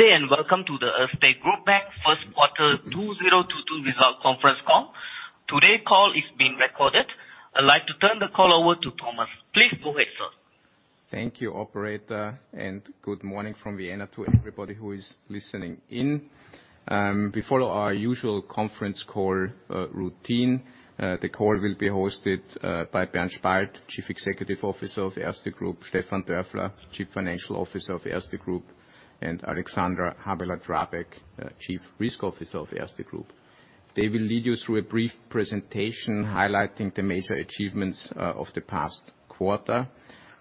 Good day, and welcome to the Erste Group Bank first quarter 2022 results conference call. Today's call is being recorded. I'd like to turn the call over to Thomas. Please go ahead, sir. Thank you, operator, and good morning from Vienna to everybody who is listening in. We follow our usual conference call routine. The call will be hosted by Bernhard Spalt, Chief Executive Officer of Erste Group, Stefan Dörfler, Chief Financial Officer of Erste Group, and Alexandra Habeler-Drabek, Chief Risk Officer of Erste Group. They will lead you through a brief presentation highlighting the major achievements of the past quarter,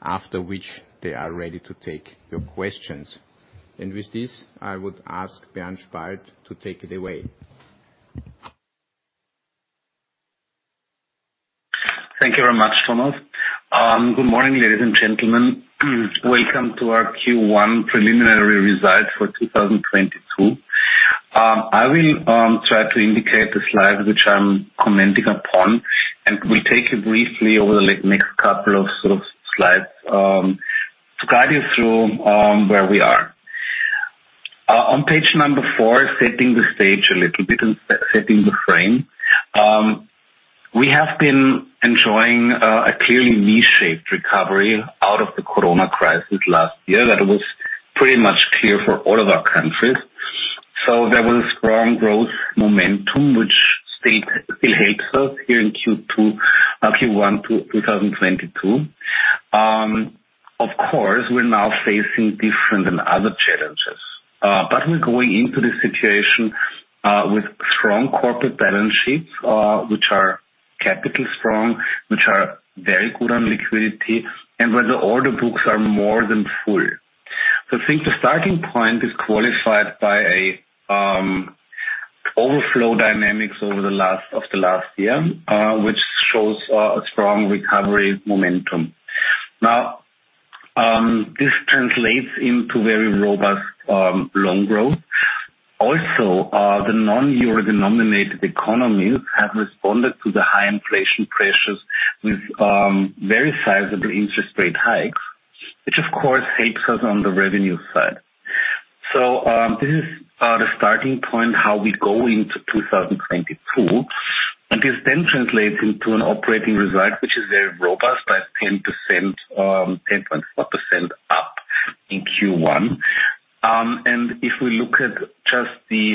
after which they are ready to take your questions. With this, I would ask Bernhard Spalt to take it away. Thank you very much, Thomas. Good morning, ladies and gentlemen. Welcome to our Q1 preliminary results for 2022. I will try to indicate the slides which I'm commenting upon, and we take it briefly over the next couple of sort of slides to guide you through where we are. On page four, setting the stage a little bit and setting the frame, we have been enjoying a clearly V-shaped recovery out of the corona crisis last year that was pretty much clear for all of our countries. There was strong growth momentum which stayed, still helps us here in Q1 2022. Of course, we're now facing different and other challenges. We're going into this situation with strong corporate balance sheets, which are capital strong, which are very good on liquidity, and where the order books are more than full. I think the starting point is qualified by order flow dynamics of the last year, which shows a strong recovery momentum. Now, this translates into very robust loan growth. Also, the non-euro-denominated economies have responded to the high inflation pressures with very sizable interest rate hikes, which of course helps us on the revenue side. This is the starting point, how we go into 2022, and this then translates into an operating result which is very robust, but 10.4% up in Q1. If we look at just the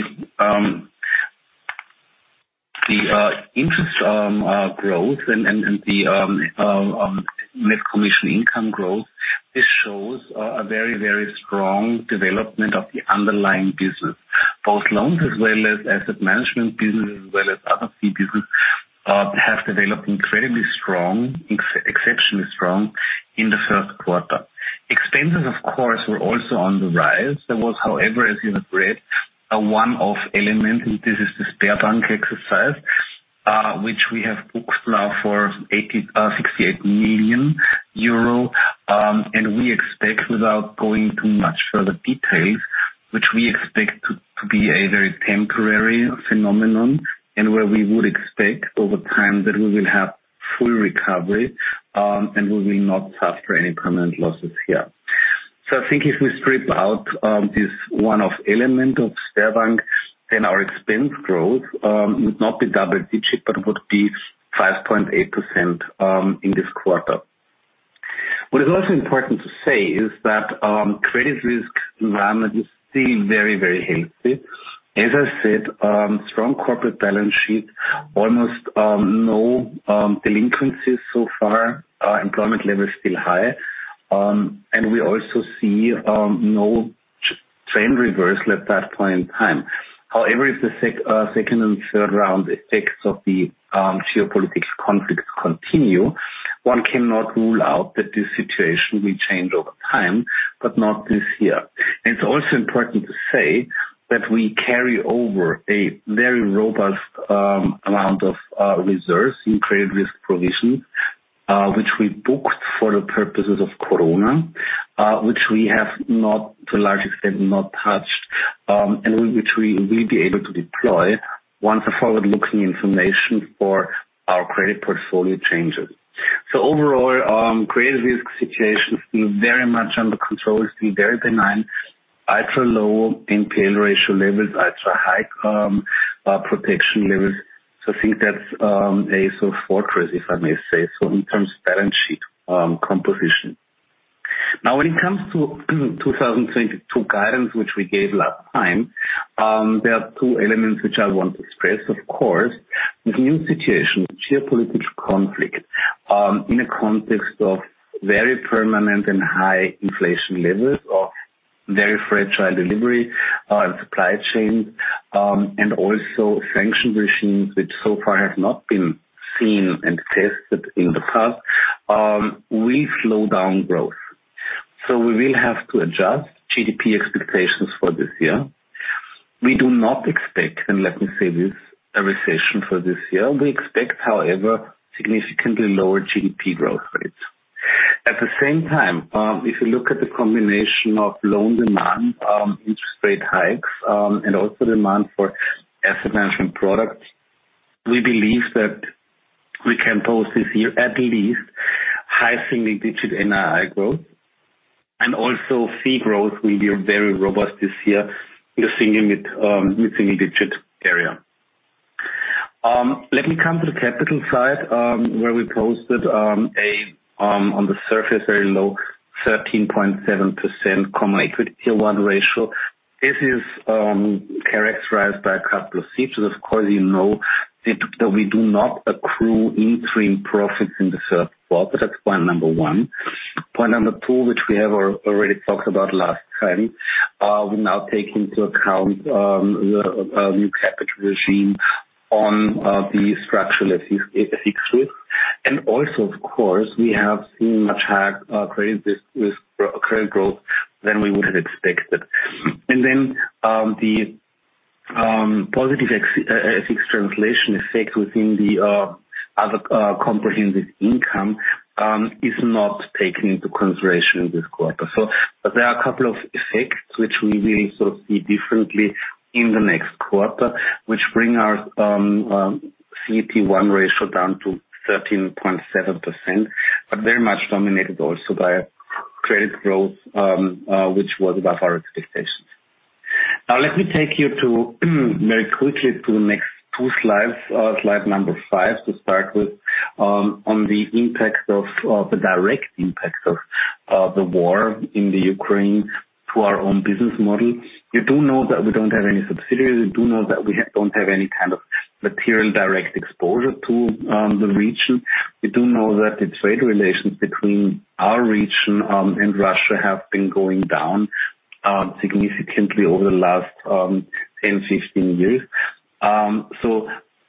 interest growth and the net commission income growth, this shows a very, very strong development of the underlying business. Both loans as well as asset management businesses as well as other fee business have developed incredibly strong, exceptionally strong in the first quarter. Expenses, of course, were also on the rise. There was, however, as you have read, a one-off element, and this is the Sberbank CZ, which we have booked now for 68 million euro, and we expect, without going too much further details, which we expect to be a very temporary phenomenon and where we would expect over time that we will have full recovery, and we will not suffer any permanent losses here. I think if we strip out this one-off element of Sberbank, then our expense growth would not be double-digit, but would be 5.8% in this quarter. What is also important to say is that credit risk environment is still very, very healthy. As I said, strong corporate balance sheet, almost no delinquencies so far, employment level is still high, and we also see no trend reversal at that point in time. However, if the second and third round effects of the geopolitical conflicts continue, one cannot rule out that this situation will change over time, but not this year. It's also important to say that we carry over a very robust amount of reserves in credit risk provision, which we booked for the purposes of corona, which we have not, to a large extent, touched, and which we will be able to deploy once the forward-looking information for our credit portfolio changes. Overall, credit risk situation is still very much under control, still very benign. Ultra-low NPL ratio levels, ultra-high protection levels. I think that's a sort of fortress, if I may say so, in terms of balance sheet composition. Now, when it comes to 2022 guidance, which we gave last time, there are two elements which I want to express. Of course, the new situation, geopolitical conflict, in a context of very persistent and high inflation levels or very fragile delivery supply chain, and also sanction regimes which so far have not been seen and tested in the past, will slow down growth. We will have to adjust GDP expectations for this year. We do not expect, and let me say this, a recession for this year. We expect, however, significantly lower GDP growth rates. At the same time, if you look at the combination of loan demand, interest rate hikes, and also demand for asset management products. We believe that we can post this year at least high single-digit NII growth and also fee growth will be very robust this year in the single mid-single digit area. Let me come to the capital side, where we posted on the surface a very low 13.7% Common Equity Tier 1 ratio. This is characterized by a couple of features. Of course, you know that we do not accrue interim profits in the third quarter. That's point number one. Point number two, which we have already talked about last time, we now take into account the new capital regime on the structural FX risk. Of course, we have seen much higher credit risk, credit growth than we would have expected. The positive FX translation effect within the other comprehensive income is not taken into consideration in this quarter. There are a couple of effects which we will sort of see differently in the next quarter, which bring our CET1 ratio down to 13.7%, but very much dominated also by credit growth, which was above our expectations. Now let me take you very quickly to the next two slides. Slide number five to start with, on the impact of the direct impact of the war in the Ukraine to our own business model. You do know that we don't have any subsidiaries. You do know that we don't have any kind of material direct exposure to the region. You do know that the trade relations between our region and Russia have been going down significantly over the last 10, 15 years.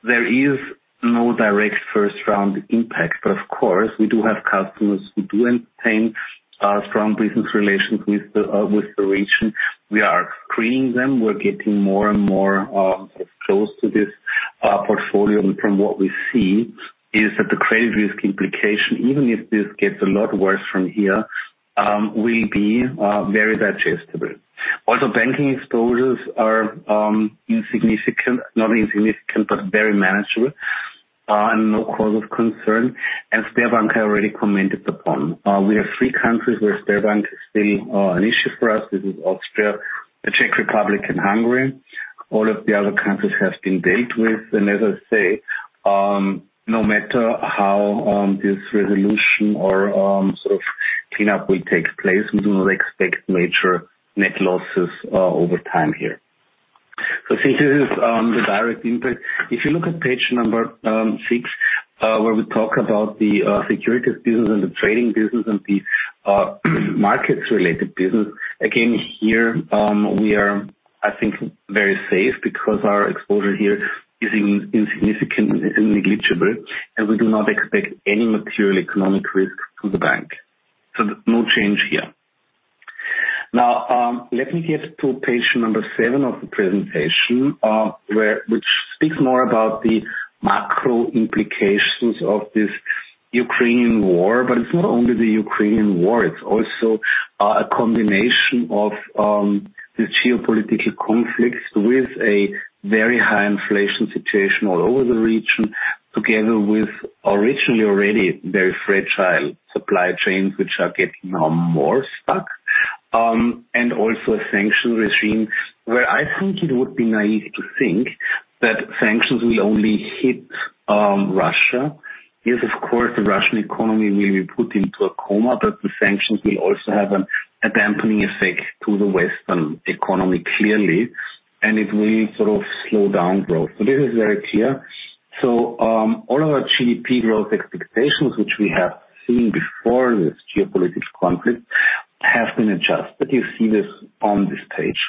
There is no direct first-round impact. Of course, we do have customers who do maintain strong business relations with the region. We are screening them. We're getting more and more close to this portfolio. From what we see is that the credit risk implication, even if this gets a lot worse from here, will be very digestible. Also, banking exposures are insignificant. Not insignificant, but very manageable, and no cause of concern. Sberbank, I already commented upon. We have three countries where Sberbank is still an issue for us. This is Austria, the Czech Republic and Hungary. All of the other countries have been dealt with. As I say, no matter how this resolution or sort of cleanup will take place, we do not expect major net losses over time here. This is the direct impact. If you look at page number six, where we talk about the securities business and the trading business and the markets related business, again, here, we are, I think, very safe because our exposure here is insignificant and negligible, and we do not expect any material economic risks to the bank. No change here. Now, let me get to page number seven of the presentation, where which speaks more about the macro implications of this Ukrainian war. It's not only the Ukrainian war, it's also a combination of the geopolitical conflicts with a very high inflation situation all over the region, together with originally already very fragile supply chains, which are getting now more stuck, and also a sanction regime where I think it would be naive to think that sanctions will only hit Russia. Yes, of course, the Russian economy will be put into a coma, but the sanctions will also have a dampening effect to the Western economy, clearly, and it will sort of slow down growth. This is very clear. All of our GDP growth expectations, which we have seen before this geopolitical conflict, have been adjusted. You see this on this page.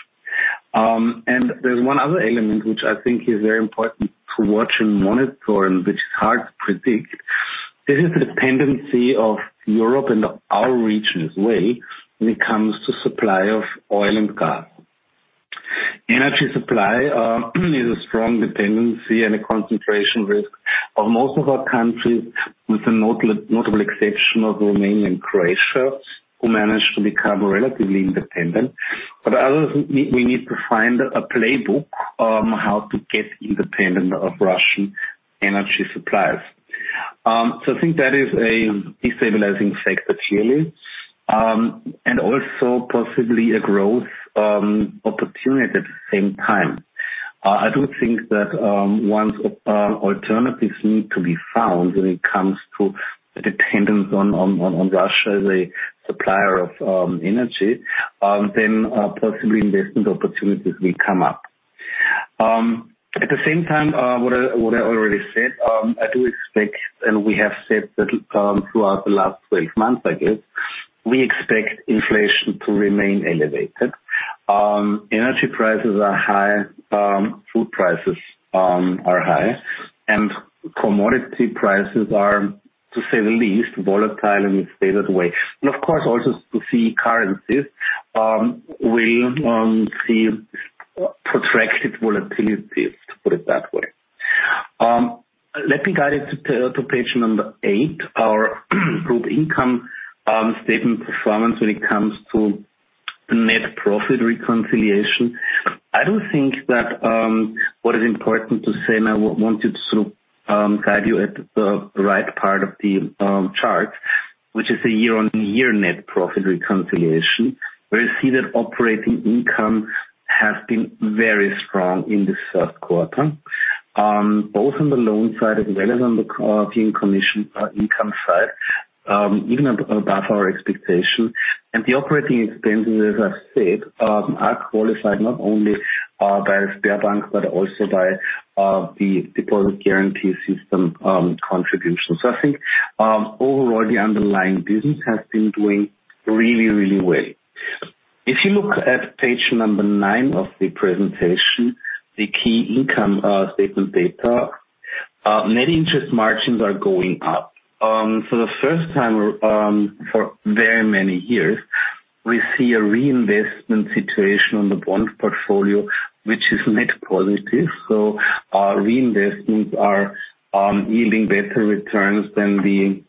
There's one other element which I think is very important to watch and monitor and which is hard to predict. This is the dependency of Europe and our region as well when it comes to supply of oil and gas. Energy supply is a strong dependency and a concentration risk of most of our countries, with the notable exception of Romania and Croatia, who managed to become relatively independent. Others, we need to find a playbook on how to get independent of Russian energy supplies. I think that is a destabilizing factor, clearly, and also possibly a growth opportunity at the same time. I do think that, once alternatives need to be found when it comes to the dependence on Russia as a supplier of energy, then possibly investment opportunities will come up. At the same time, what I already said, I do expect, and we have said that, throughout the last 12 months, I guess, we expect inflation to remain elevated. Energy prices are high, food prices are high, and commodity prices are, to say the least, volatile in a stated way. Of course, currencies will see protracted volatility, to put it that way. Let me guide you to page eight, our Group income statement performance when it comes to the net profit reconciliation. I do think that what is important to say, and I want to sort of guide you to the right part of the chart, which is a year-on-year net profit reconciliation, where you see that operating income has been very strong in this first quarter, both on the loan side as well as on the fee and commission income side, even above our expectations. The operating expenses, as I've said, are qualified not only by Sberbank, but also by the deposit guarantee scheme contributions. I think overall, the underlying business has been doing really, really well. If you look at page number nine of the presentation, the key income statement data, net interest margins are going up. For the first time, for very many years, we see a reinvestment situation on the bond portfolio, which is net positive. Our reinvestments are yielding better returns than the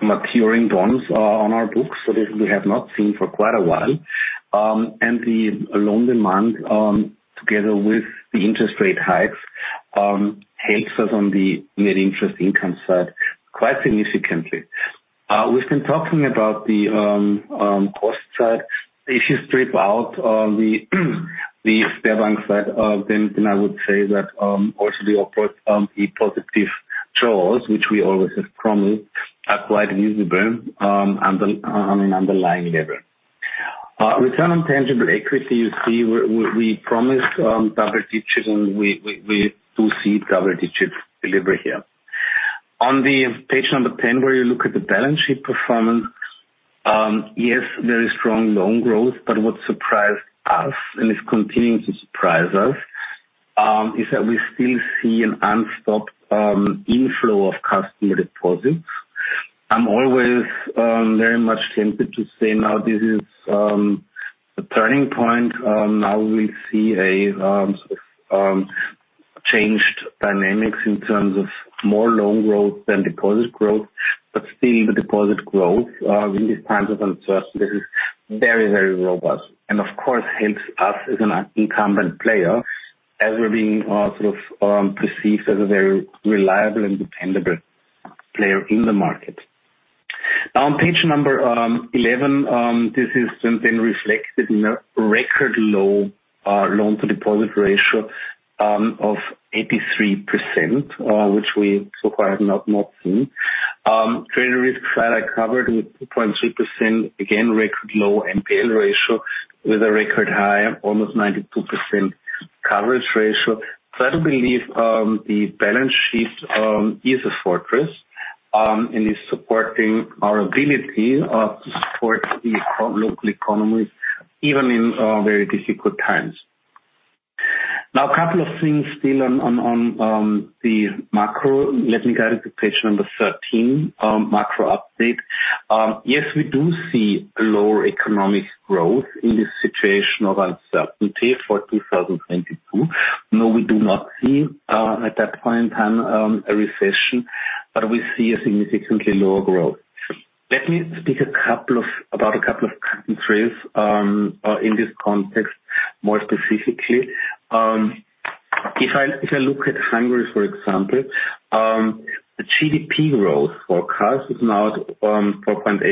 maturing bonds on our books. This we have not seen for quite a while. The loan demand together with the interest rate hikes helps us on the net interest income side quite significantly. We've been talking about the cost side. If you strip out the Sberbank side of them, then I would say that also the positive jaws, which we always have promised, are quite visible on an underlying level. Return on tangible equity, you see we promised double digits, and we do see double digits delivered here. On page number 10, where you look at the balance sheet performance, yes, very strong loan growth, but what surprised us, and it's continuing to surprise us, is that we still see an unstopped inflow of customer deposits. I'm always very much tempted to say now this is a turning point, now we see a sort of changed dynamics in terms of more loan growth than deposit growth, but still the deposit growth in these times of uncertainty is very, very robust. Of course, helps us as an incumbent player as we're being sort of perceived as a very reliable and dependable player in the market. On page number 11, this has since been reflected in a record low loan-to-deposit ratio of 83%, which we so far have not seen. Credit risk side, I covered with 0.3%, again, record low NPL ratio with a record high of almost 92% coverage ratio. I do believe the balance sheet is a fortress and is supporting our ability to support the local economies even in very difficult times. Now, a couple of things still on the macro. Let me guide you to page 13, macro update. Yes, we do see a lower economic growth in this situation of uncertainty for 2022, though we do not see at that point in time a recession, but we see a significantly lower growth. Let me speak about a couple of countries in this context more specifically. If I look at Hungary, for example, the GDP growth forecast is now at 4.8%.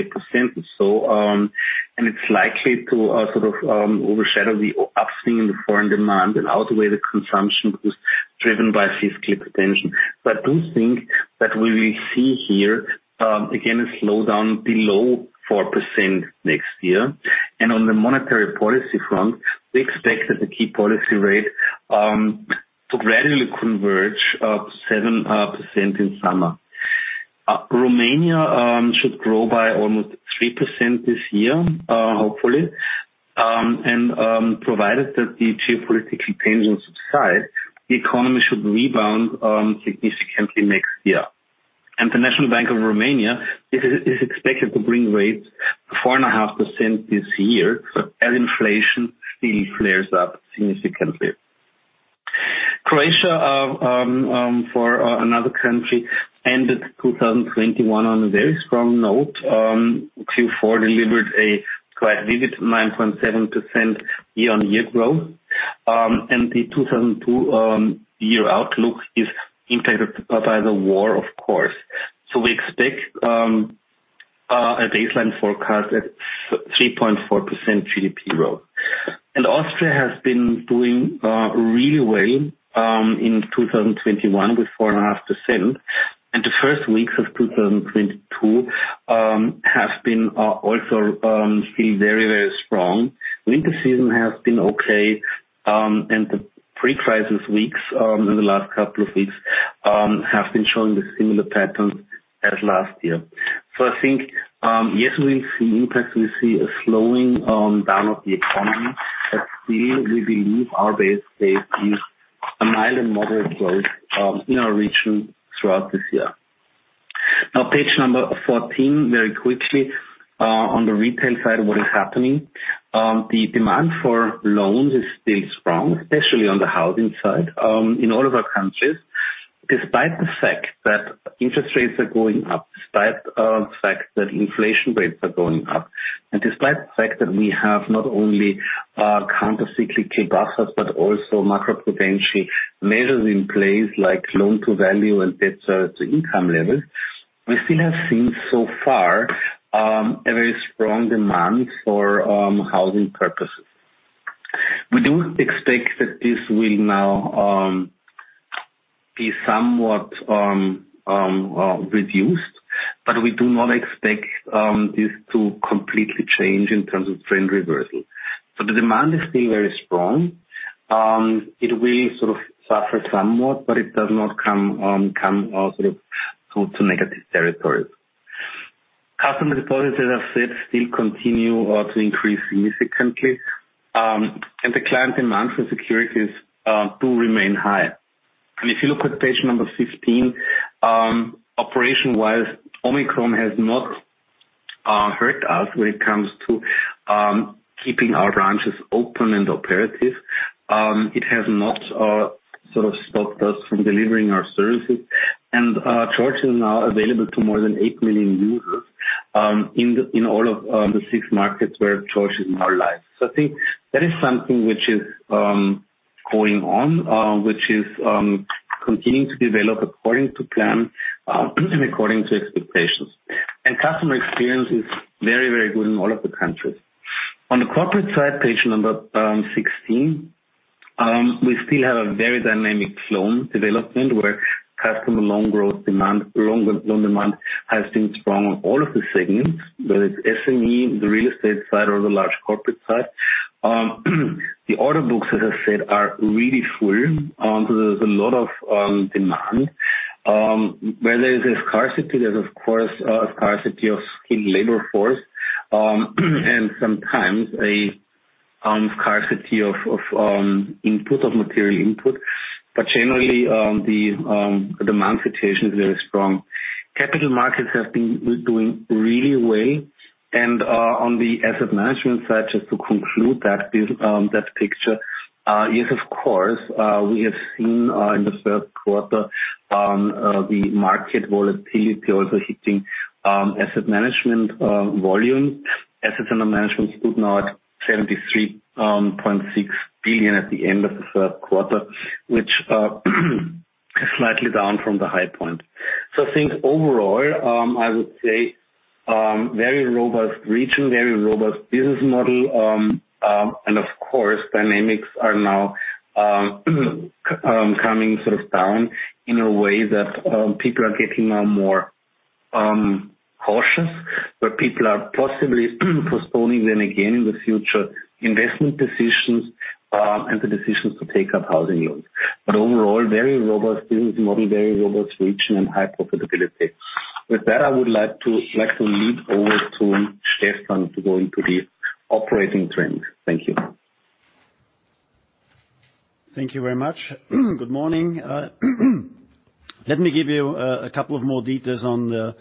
It's likely to sort of overshadow the upswing in the foreign demand and outweigh the consumption growth driven by fiscal expansion. I do think that we will see here again a slowdown below 4% next year. On the monetary policy front, we expect that the key policy rate to gradually converge to 7% in summer. Romania should grow by almost 3% this year, hopefully. Provided that the geopolitical tensions subside, the economy should rebound significantly next year. The National Bank of Romania is expected to bring rates 4.5% this year as inflation really flares up significantly. Croatia for another country ended 2021 on a very strong note. Q4 delivered a quite solid 9.7% year-on-year growth. The 2022 year outlook is impacted by the war, of course. We expect a baseline forecast at 3.4% GDP growth. Austria has been doing really well in 2021 with 4.5%, and the first weeks of 2022 have been also still very, very strong. Winter season has been okay, and the pre-crisis weeks in the last couple of weeks have been showing the similar patterns as last year. I think yes, we will see impacts. We see a slowing down of the economy, but still, we believe our base case is a mild and moderate growth in our region throughout this year. Now, page number 14, very quickly, on the retail side, what is happening. The demand for loans is still strong, especially on the housing side, in all of our countries. Despite the fact that interest rates are going up, despite the fact that inflation rates are going up, and despite the fact that we have not only countercyclical buffers, but also macro-prudential measures in place like loan-to-value and debt service-to-income levels, we still have seen so far a very strong demand for housing purposes. We do expect that this will now be somewhat reduced, but we do not expect this to completely change in terms of trend reversal. The demand is still very strong. It will sort of suffer somewhat, but it does not come sort of to negative territories. Customer deposits, as I said, still continue to increase significantly, and the client demand for securities do remain high. If you look at page number 15, operation-wise, Omicron has not hurt us when it comes to keeping our branches open and operative. It has not sort of stopped us from delivering our services. George is now available to more than 8 million users in all of the six markets where George is now live. I think that is something which is going on, which is continuing to develop according to plan, and according to expectations. Customer experience is very, very good in all of the countries. On the corporate side, page number 16, we still have a very dynamic loan development where customer loan growth demand, loan demand has been strong on all of the segments, whether it's SME, the real estate side or the large corporate side. The order books, as I said, are really full, so there's a lot of demand. Where there is a scarcity, there's of course a scarcity of skilled labor force, and sometimes a scarcity of input, of material input. Generally, the demand situation is very strong. Capital markets have been doing really well. On the asset management side, just to conclude that view, that picture, is of course, we have seen, in the third quarter, the market volatility also hitting asset management volume. Assets under management stood now at 73.6 billion at the end of the third quarter, which is slightly down from the high point. I think overall, I would say, very robust region, very robust business model. Of course, dynamics are now coming sort of down in a way that people are getting now more cautious, where people are possibly postponing then again in the future investment decisions, and the decisions to take up housing loans. Overall, very robust business model, very robust region, and high profitability. With that, I would like to lead over to Stefan to go into the operating trends. Thank you. Thank you very much. Good morning. Let me give you a couple of more details on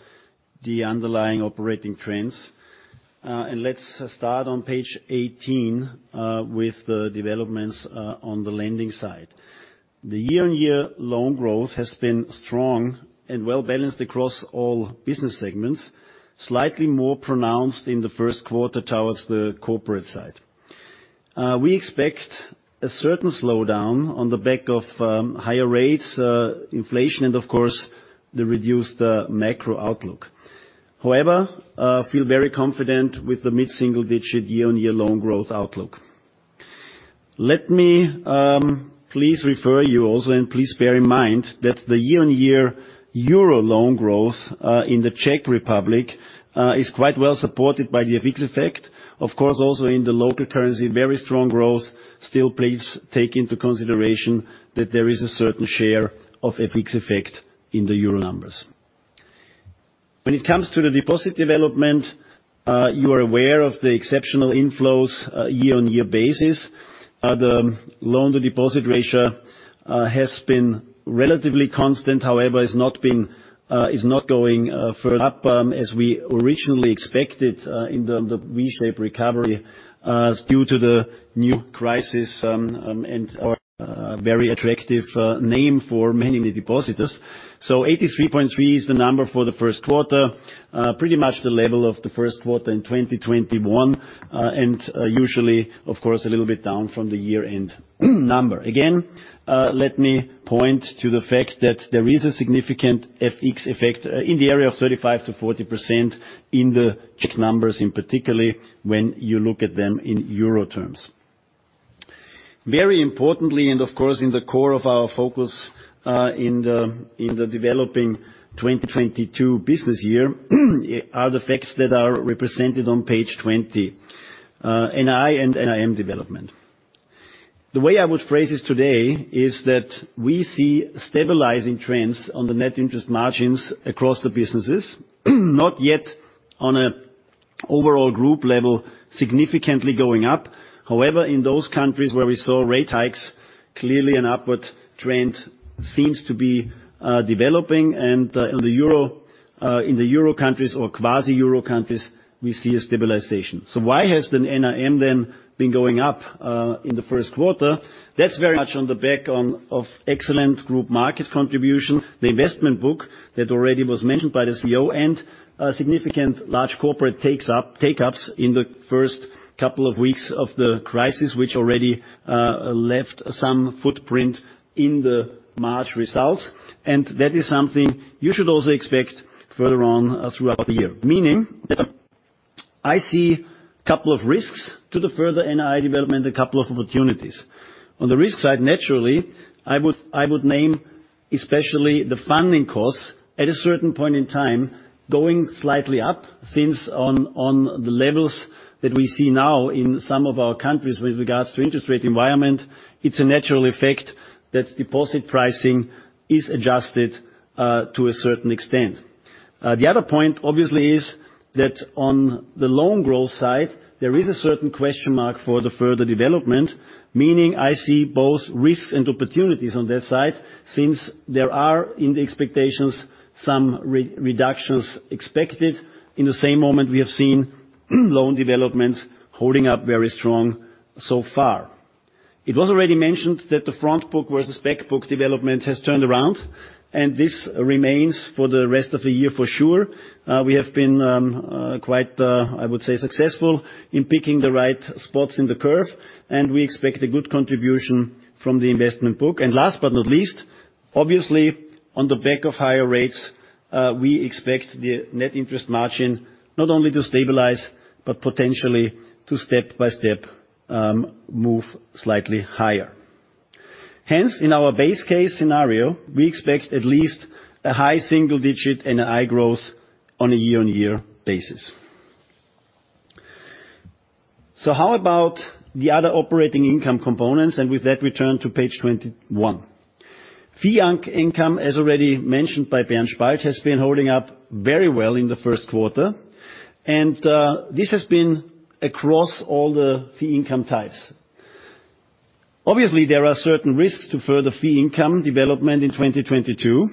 the underlying operating trends. Let's start on page 18 with the developments on the lending side. The year-over-year loan growth has been strong and well-balanced across all business segments, slightly more pronounced in the first quarter towards the corporate side. We expect a certain slowdown on the back of higher rates, inflation, and of course, the reduced macro outlook. However, feel very confident with the mid-single digit year-over-year loan growth outlook. Let me please refer you also, and please bear in mind that the year-over-year euro loan growth in the Czech Republic is quite well supported by the FX effect. Of course, also in the local currency, very strong growth. Still, please take into consideration that there is a certain share of FX effect in the euro numbers. When it comes to the deposit development, you are aware of the exceptional inflows year-on-year basis. The loan-to-deposit ratio has been relatively constant. However, it's not going further up as we originally expected in the V-shaped recovery due to the new crisis and our very attractive rate for many new depositors. 83.3% is the number for the first quarter, pretty much the level of the first quarter in 2021, and usually, of course, a little bit down from the year-end number. Again, let me point to the fact that there is a significant FX effect, in the area of 35%-40% in the Czech numbers, in particular when you look at them in euro terms. Very importantly, and of course, in the core of our focus, in the developing 2022 business year, are the facts that are represented on page 20, NII and NIM development. The way I would phrase this today is that we see stabilizing trends on the net interest margins across the businesses, not yet on an overall group level significantly going up. However, in those countries where we saw rate hikes, clearly an upward trend seems to be developing. In the euro countries or quasi euro countries, we see a stabilization. Why has the NIM then been going up in the first quarter? That's very much on the back of excellent group market contribution, the investment book that already was mentioned by the CEO and a significant large corporate take-ups in the first couple of weeks of the crisis, which already left some footprint in the March results. That is something you should also expect further on throughout the year. Meaning that I see couple of risks to the further NII development, a couple of opportunities. On the risk side, naturally, I would name especially the funding costs at a certain point in time going slightly up since on the levels that we see now in some of our countries with regards to interest rate environment, it's a natural effect that deposit pricing is adjusted to a certain extent. The other point obviously is that on the loan growth side, there is a certain question mark for the further development, meaning I see both risks and opportunities on that side since there are, in the expectations, some reductions expected. In the same moment, we have seen loan developments holding up very strong so far. It was already mentioned that the front book versus back book development has turned around, and this remains for the rest of the year for sure. We have been quite, I would say, successful in picking the right spots in the curve, and we expect a good contribution from the investment book. Last but not least, obviously on the back of higher rates, we expect the net interest margin not only to stabilize but potentially to step-by-step move slightly higher. Hence, in our base case scenario, we expect at least a high single digit NII growth on a year-on-year basis. How about the other operating income components? With that, we turn to page 21. Fee income, as already mentioned by Bernhard Spalt, has been holding up very well in the first quarter, and this has been across all the fee income types. Obviously, there are certain risks to further fee income development in 2022.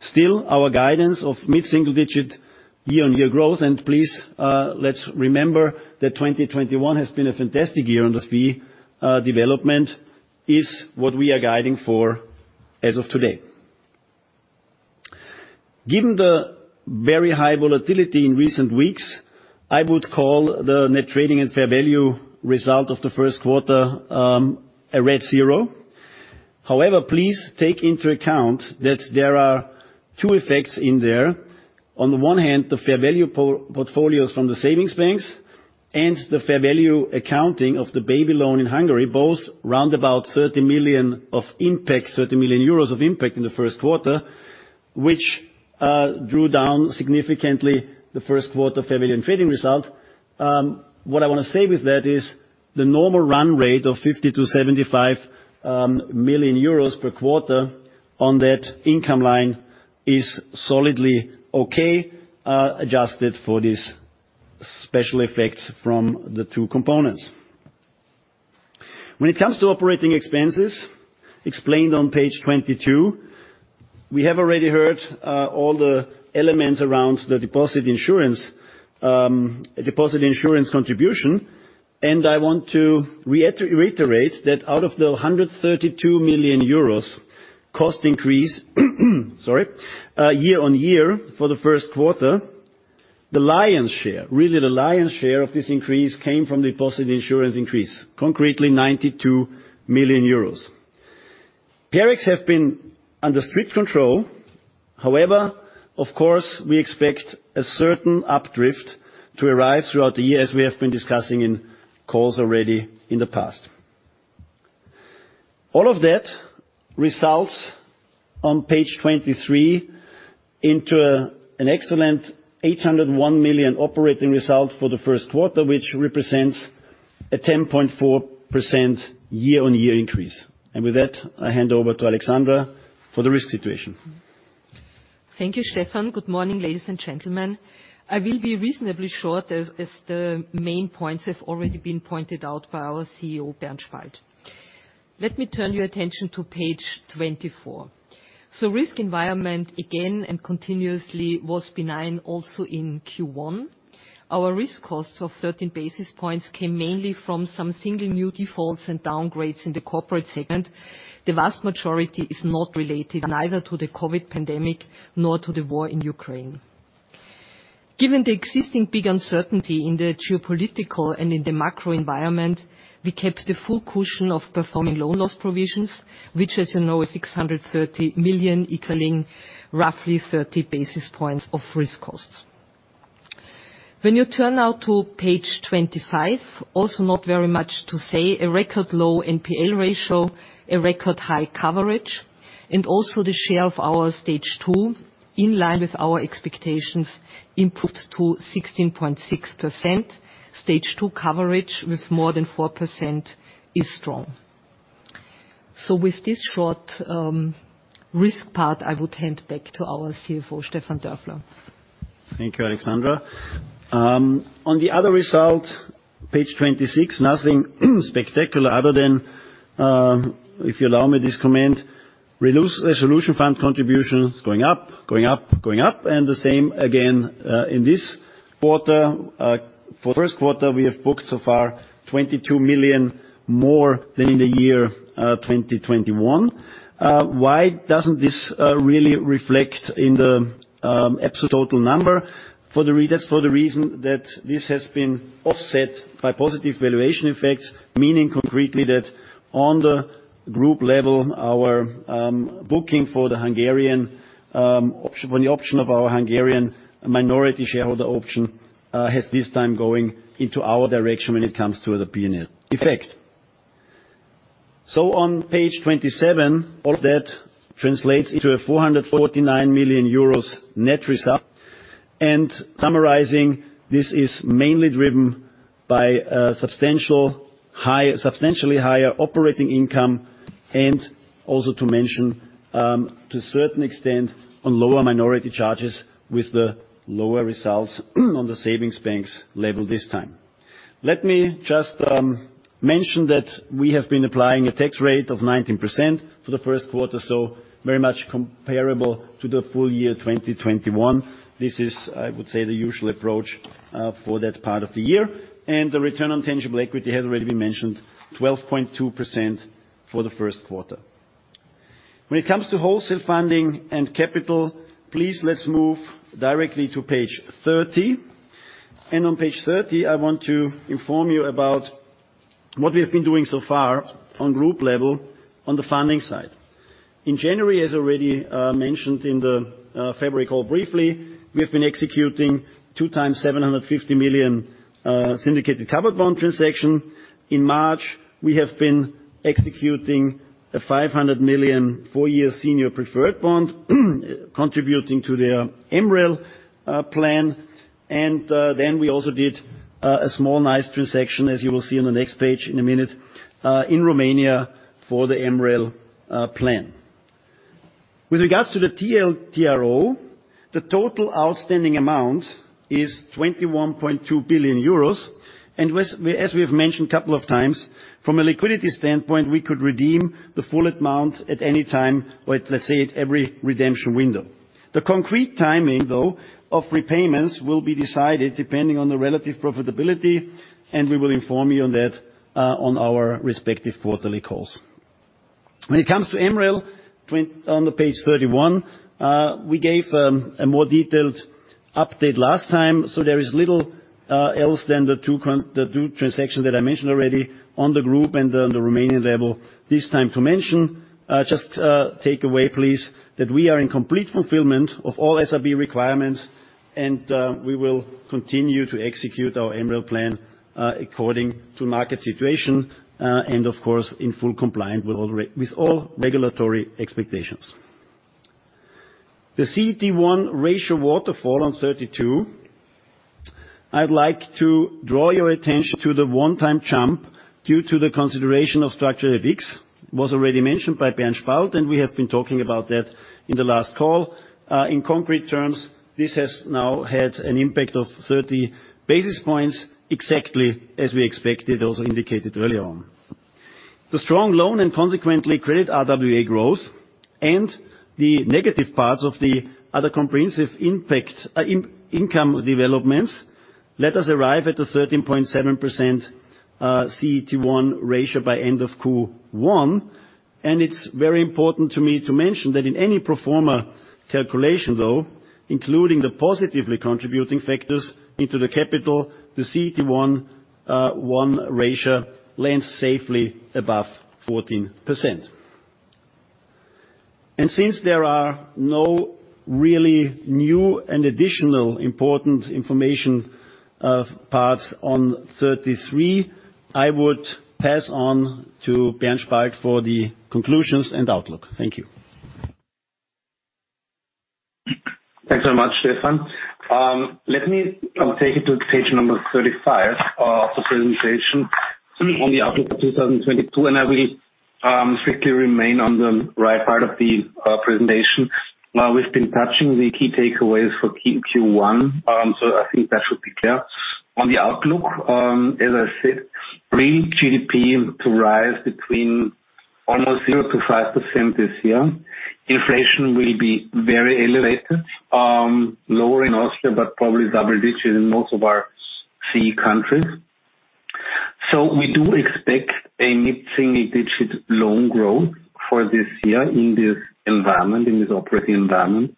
Still, our guidance of mid-single digit year-on-year growth, and please, let's remember that 2021 has been a fantastic year on the fee development, is what we are guiding for as of today. Given the very high volatility in recent weeks, I would call the net trading and fair value result of the first quarter a round zero. However, please take into account that there are two effects in there. On the one hand, the fair value portfolios from the savings banks and the fair value accounting of the baby loan in Hungary, both round about 30 million of impact, 30 million euros of impact in the first quarter, which drew down significantly the first quarter fair value and trading result. What I wanna say with that is the normal run rate of 50-75 million euros per quarter on that income line is solidly okay, adjusted for these special effects from the two components. When it comes to operating expenses explained on page 22, we have already heard all the elements around the deposit insurance, deposit insurance contribution. I want to reiterate that out of the 132 million euros cost increase, sorry, year-on-year for the first quarter, the lion's share of this increase came from deposit insurance increase, concretely 92 million euros. OpEx have been under strict control. However, of course, we expect a certain up drift to arrive throughout the year as we have been discussing in calls already in the past. All of that results on page 23 into an excellent 801 million operating result for the first quarter, which represents a 10.4% year-on-year increase. With that, I hand over to Alexandra for the risk situation. Thank you, Stefan. Good morning, ladies and gentlemen. I will be reasonably short as the main points have already been pointed out by our CEO, Bernhard Spalt. Let me turn your attention to page 24. Risk environment again and continuously was benign also in Q1. Our risk costs of 13 basis points came mainly from some single new defaults and downgrades in the corporate segment. The vast majority is not related neither to the COVID pandemic nor to the war in Ukraine. Given the existing big uncertainty in the geopolitical and in the macro environment, we kept the full cushion of performing loan loss provisions, which, as you know, is 630 million, equaling roughly 30 basis points of risk costs. When you turn now to page 25, also not very much to say. A record low NPL ratio, a record high coverage, and also the share of our Stage 2, in line with our expectations, improved to 16.6%. Stage 2 coverage with more than 4% is strong. With this short risk part, I would hand back to our CFO, Stefan Dörfler. Thank you, Alexandra. On the other result, page 26, nothing spectacular other than, if you allow me this comment, resolution fund contributions going up, and the same again in this quarter. For the first quarter, we have booked so far 22 million more than in the year 2021. Why doesn't this really reflect in the absolute total number? That's for the reason that this has been offset by positive valuation effects, meaning concretely that on the group level, our booking for the Hungarian option, when the option of our Hungarian minority shareholder option, has this time going into our direction when it comes to the P&L effect. On page 27, all of that translates into a 449 million euros net result. Summarizing, this is mainly driven by substantially higher operating income, and also to mention, to a certain extent, on lower minority charges with the lower results on the savings banks level this time. Let me just mention that we have been applying a tax rate of 19% for the first quarter, so very much comparable to the full year 2021. This is, I would say, the usual approach for that part of the year. The return on tangible equity has already been mentioned, 12.2% for the first quarter. When it comes to wholesale funding and capital, please, let's move directly to page 30. On page 30, I want to inform you about what we have been doing so far on group level on the funding side. In January, as already mentioned in the February call briefly, we have been executing two times 750 million syndicated covered bond transaction. In March, we have been executing a 500 million four-year senior preferred bond contributing to the MREL plan. Then we also did a small, nice transaction, as you will see on the next page in a minute, in Romania for the MREL plan. With regards to the TLTRO, the total outstanding amount is 21.2 billion euros. As we have mentioned a couple of times, from a liquidity standpoint, we could redeem the full amount at any time, or let's say, at every redemption window. The concrete timing, though, of repayments will be decided depending on the relative profitability, and we will inform you on that, on our respective quarterly calls. When it comes to MREL. On page 31, we gave a more detailed update last time, so there is little else than the two transactions that I mentioned already on the group and on the Romanian level this time to mention. Just take away, please, that we are in complete fulfillment of all SRB requirements, and we will continue to execute our MREL plan according to market situation, and of course, in full compliance with all regulatory expectations. The CET1 ratio waterfall on 32, I'd like to draw your attention to the one-time jump due to the consideration of structural FX. Was already mentioned by Bernhard Spalt, and we have been talking about that in the last call. In concrete terms, this has now had an impact of 30 basis points exactly as we expected, also indicated earlier on. The strong loan and consequently credit RWA growth and the negative parts of the other comprehensive income developments let us arrive at the 13.7% CET1 ratio by end of Q1. It's very important to me to mention that in any pro forma calculation, though, including the positively contributing factors into the capital, the CET1 ratio lands safely above 14%. Since there are no really new and additional important information, parts on 33, I would pass on to Bernhard Spalt for the conclusions and outlook. Thank you. Thanks very much, Stefan. Let me take you to page number 35 of the presentation on the outlook 2022, and I will strictly remain on the right part of the presentation. We've been touching the key takeaways for Q1, so I think that should be clear. On the outlook, as I said, real GDP to rise between almost 0%-5% this year. Inflation will be very elevated, lower in Austria, but probably double digits in most of our CE countries. We do expect a mid-single-digit loan growth for this year in this environment, in this operating environment.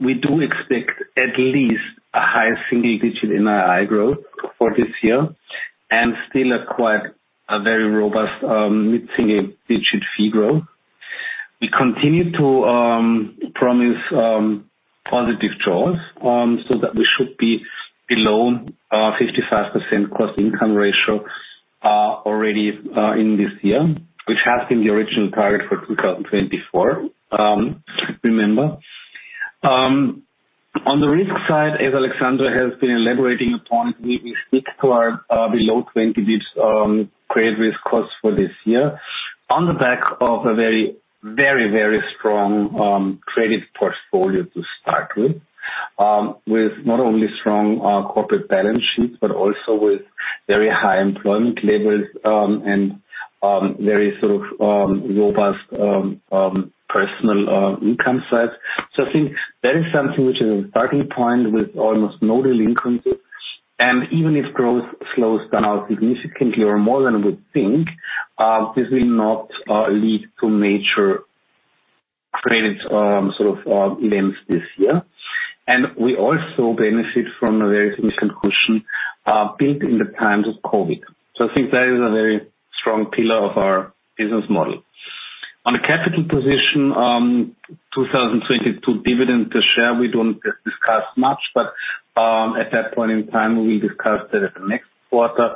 We do expect at least a high single-digit NII growth for this year and still achieve a very robust, mid-single-digit fee growth. We continue to promise positive jaws so that we should be below our 55% cost-income ratio already in this year, which has been the original target for 2024, remember. On the risk side, as Alexandra has been elaborating upon, we stick to our below 20 basis points credit risk costs for this year. On the back of a very strong credit portfolio to start with not only strong corporate balance sheets, but also with very high employment levels, and very sort of robust personal income side. I think that is something which is a starting point with almost no delinquency. Even if growth slows down significantly or more than we think, this will not lead to major credit events this year. We also benefit from a very significant cushion built in the times of COVID. I think that is a very strong pillar of our business model. On a capital position, 2022 dividend per share, we don't discuss much, but at that point in time, we will discuss that at the next quarter.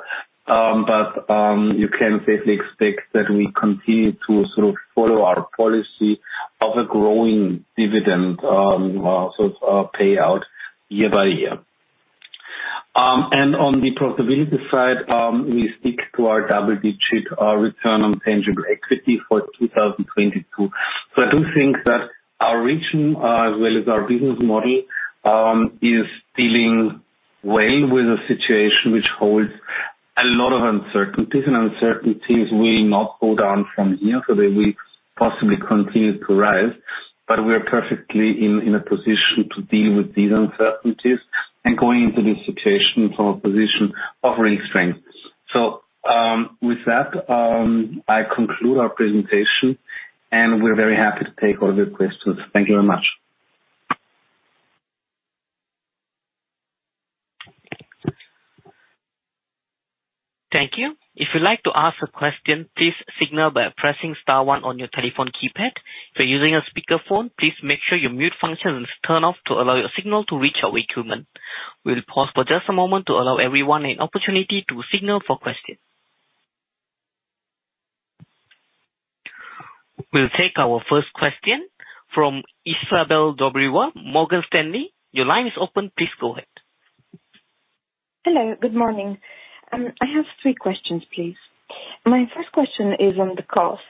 You can safely expect that we continue to sort of follow our policy of a growing dividend sort of payout year by year. On the profitability side, we stick to our double-digit return on tangible equity for 2022. I do think that our region, as well as our business model, is dealing well with a situation which holds a lot of uncertainties, and uncertainties will not go down from here, so they will possibly continue to rise. We are perfectly in a position to deal with these uncertainties and going into the situation from a position of real strength. With that, I conclude our presentation, and we're very happy to take all your questions. Thank you very much. Thank you. If you'd like to ask a question, please signal by pressing star one on your telephone keypad. If you're using a speakerphone, please make sure your mute function is turned off to allow your signal to reach our equipment. We'll pause for just a moment to allow everyone an opportunity to signal for questions. We'll take our first question from Izabel Dobreva, Morgan Stanley. Your line is open. Please go ahead. Hello. Good morning. I have three questions, please. My first question is on the costs.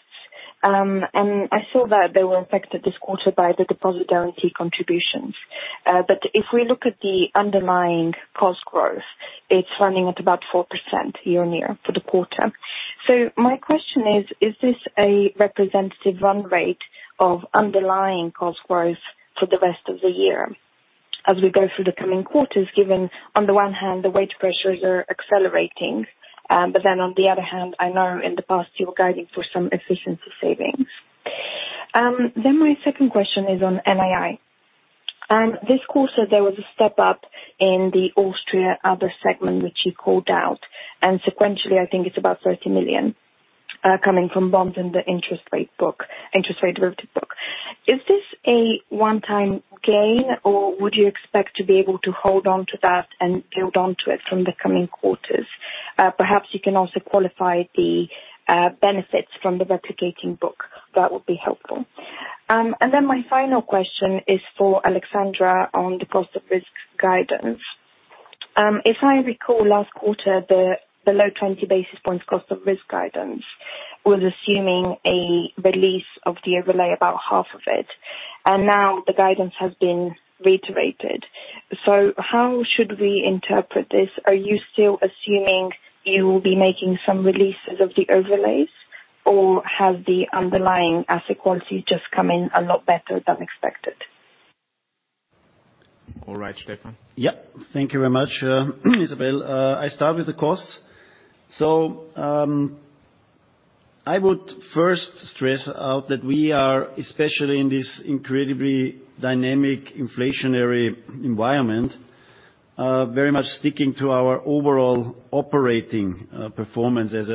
I saw that they were affected this quarter by the deposit guarantee contributions. If we look at the underlying cost growth, it's running at about 4% year-on-year for the quarter. My question is this a representative run rate of underlying cost growth for the rest of the year as we go through the coming quarters, given, on the one hand, the wage pressures are accelerating, but then on the other hand, I know in the past you were guiding for some efficiency savings. My second question is on NII. This quarter, there was a step-up in the Austria other segment, which you called out, and sequentially, I think it's about 30 million, coming from bonds in the interest rate book, interest rate derivative book. Is this a one-time gain, or would you expect to be able to hold on to that and build on to it from the coming quarters? Perhaps you can also qualify the benefits from the replicating book. That would be helpful. Then my final question is for Alexandra on the cost of risk guidance. If I recall last quarter, the low 20 basis points cost of risk guidance was assuming a release of the overlay, about half of it, and now the guidance has been reiterated. So how should we interpret this? Are you still assuming you will be making some releases of the overlays, or has the underlying asset quality just come in a lot better than expected? All right. Stefan? Thank you very much, Izabel. I start with the costs. I would first stress that we are, especially in this incredibly dynamic inflationary environment, very much sticking to our overall operating performance as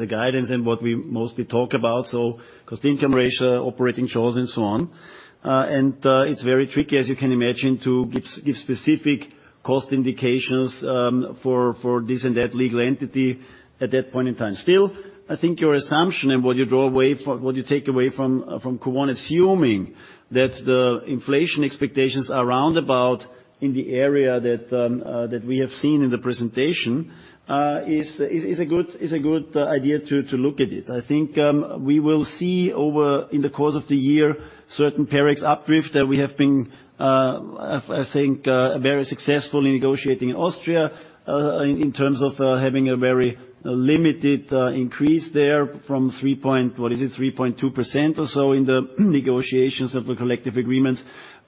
a guidance and what we mostly talk about, so cost-income ratio, OpEx and so on. It's very tricky, as you can imagine, to give specific cost indications for this and that legal entity at that point in time. Still, I think your assumption and what you take away from Q1, assuming that the inflation expectations are around about in the area that we have seen in the presentation, is a good idea to look at it. I think we will see over in the course of the year certain per ex upward drift that we have been. I think very successful in negotiating in Austria in terms of having a very limited increase there from 3.2% or so in the negotiations of the collective agreements.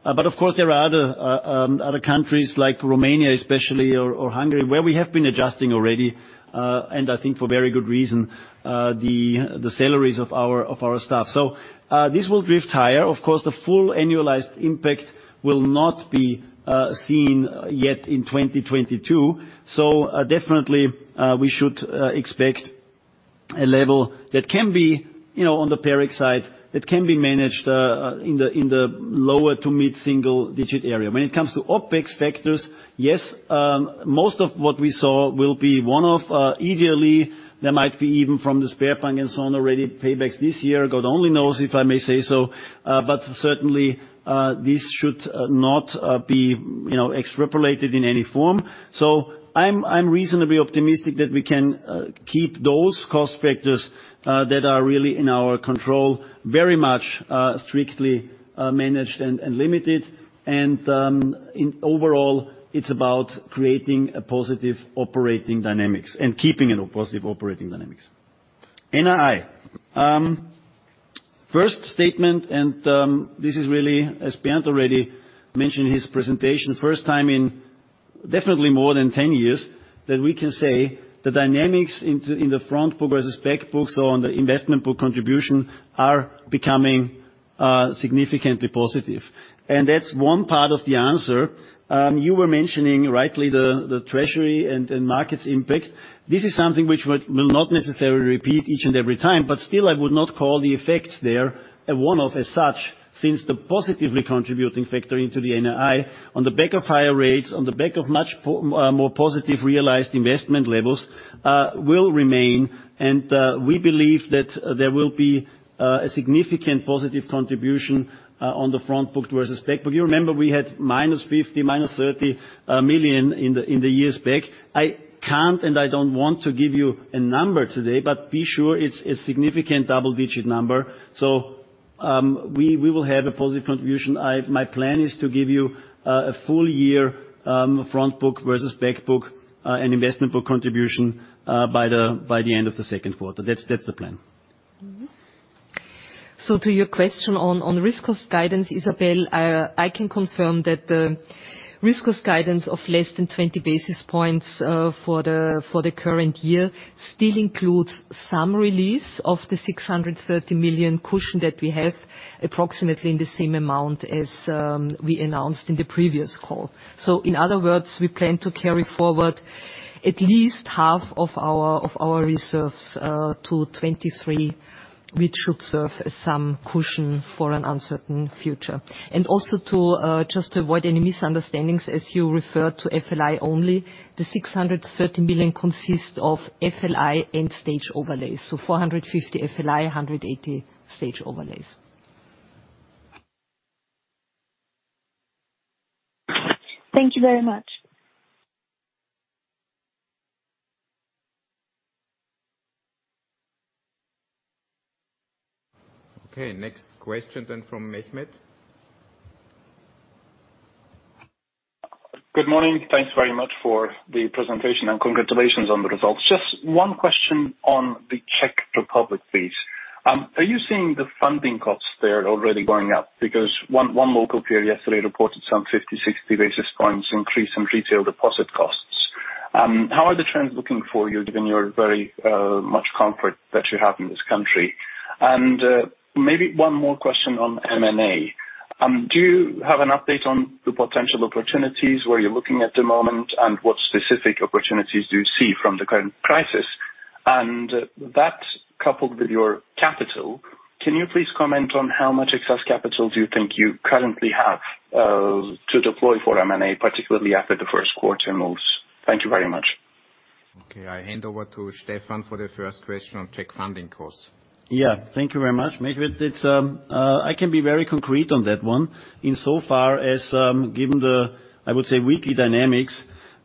Of course, there are other countries like Romania especially, or Hungary, where we have been adjusting already, and I think for very good reason the salaries of our staff. This will drift higher. Of course, the full annualized impact will not be seen yet in 2022. Definitely, we should expect a level that can be, you know, on the OpEx side, that can be managed in the lower to mid-single digit area. When it comes to OpEx factors, yes, most of what we saw will be one-off, yearly. There might be even from the savings banks and so on already paybacks this year, God only knows if I may say so, but certainly, this should not be, you know, extrapolated in any form. I'm reasonably optimistic that we can keep those cost factors that are really in our control very much strictly managed and limited. In overall, it's about creating a positive operating dynamics and keeping a positive operating dynamics. NII. First statement, this is really, as Bernhard already mentioned his presentation, first time in definitely more than 10 years that we can say the dynamics in the front book versus back book or on the investment book contribution are becoming significantly positive. That's one part of the answer. You were mentioning rightly the treasury and markets impact. This is something which will not necessarily repeat each and every time, but still I would not call the effects there a one-off as such, since the positively contributing factor into the NII on the back of higher rates, on the back of much more positive realized investment levels, will remain, and we believe that there will be a significant positive contribution on the front book versus back book. You remember we had -50 million, -30 million in the years back. I can't, and I don't want to give you a number today, but be sure it's a significant double-digit number. We will have a positive contribution. My plan is to give you a full year front book versus back book and investment book contribution by the end of the second quarter. That's the plan. Mm-hmm. To your question on risk cost guidance, Isabelle, I can confirm that the risk cost guidance of less than 20 basis points for the current year still includes some release of the 630 million cushion that we have approximately in the same amount as we announced in the previous call. In other words, we plan to carry forward at least half of our reserves to 2023, which should serve as some cushion for an uncertain future. Also, to just avoid any misunderstandings, as you refer to FLI only, the 630 million consists of FLI and stage overlays. 450 FLI, 180 stage overlays. Thank you very much. Okay. Next question then from Mate Nemes. Good morning. Thanks very much for the presentation, and congratulations on the results. Just one question on the Czech Republic, please. Are you seeing the funding costs there already going up? Because one local peer yesterday reported some 50-60 basis points increase in retail deposit costs. How are the trends looking for you given your very much comfort that you have in this country? Maybe one more question on M&A. Do you have an update on the potential opportunities where you're looking at the moment, and what specific opportunities do you see from the current crisis? That coupled with your capital, can you please comment on how much excess capital do you think you currently have to deploy for M&A, particularly after the first quarter moves? Thank you very much. Okay. I hand over to Stefan for the first question on Czech funding costs. Yeah. Thank you very much, Mate. It's I can be very concrete on that one. In so far as, given the, I would say, weekly dynamics,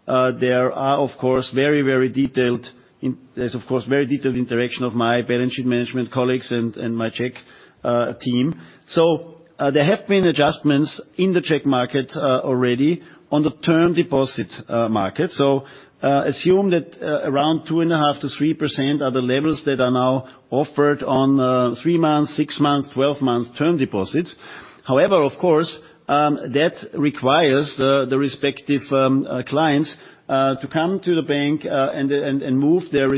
there are of course very detailed interaction of my balance sheet management colleagues and my Czech team. There have been adjustments in the Czech market already on the term deposit market. Assume that around 2.5%-3% are the levels that are now offered on three months, six months, 12 months term deposits. However, of course, that requires the respective clients to come to the bank and move their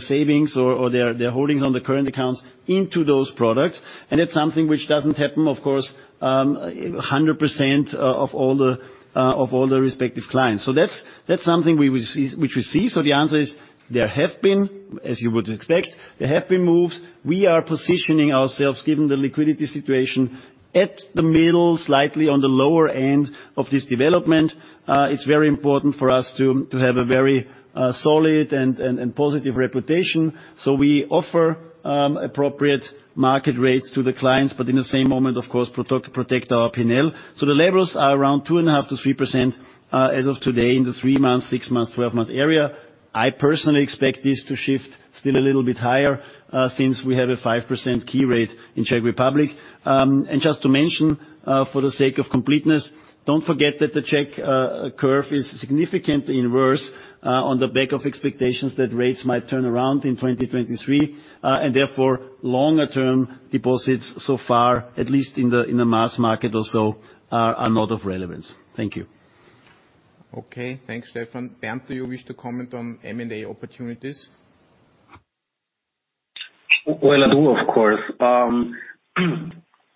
savings or their holdings on the current accounts into those products. That's something which doesn't happen, of course, 100% of all the respective clients. That's something which we see. The answer is there have been, as you would expect, there have been moves. We are positioning ourselves given the liquidity situation at the middle, slightly on the lower end of this development. It's very important for us to have a very solid and positive reputation. We offer appropriate market rates to the clients, but in the same moment, of course, protect our P&L. The levels are around 2.5%-3% as of today in the three months, six months, 12 months area. I personally expect this to shift still a little bit higher, since we have a 5% key rate in Czech Republic. Just to mention, for the sake of completeness, don't forget that the Czech curve is significantly inverse, on the back of expectations that rates might turn around in 2023, and therefore longer-term deposits so far, at least in the mass market or so, are not of relevance. Thank you. Okay. Thanks, Stefan. Bernhard, do you wish to comment on M&A opportunities? Well, I do, of course.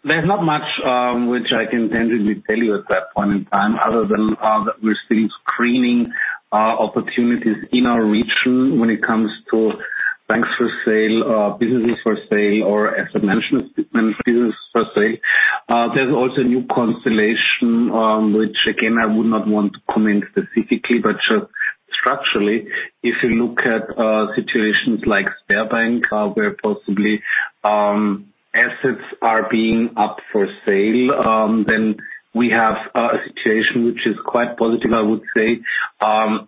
There's not much which I can tenderly tell you at that point in time other than that we're still screening opportunities in our region when it comes to banks for sale, businesses for sale, or as I mentioned, special businesses for sale. There's also a new constellation which again, I would not want to comment specifically, but just structurally, if you look at situations like Sberbank, where possibly assets are being up for sale, then we have a situation which is quite positive, I would say.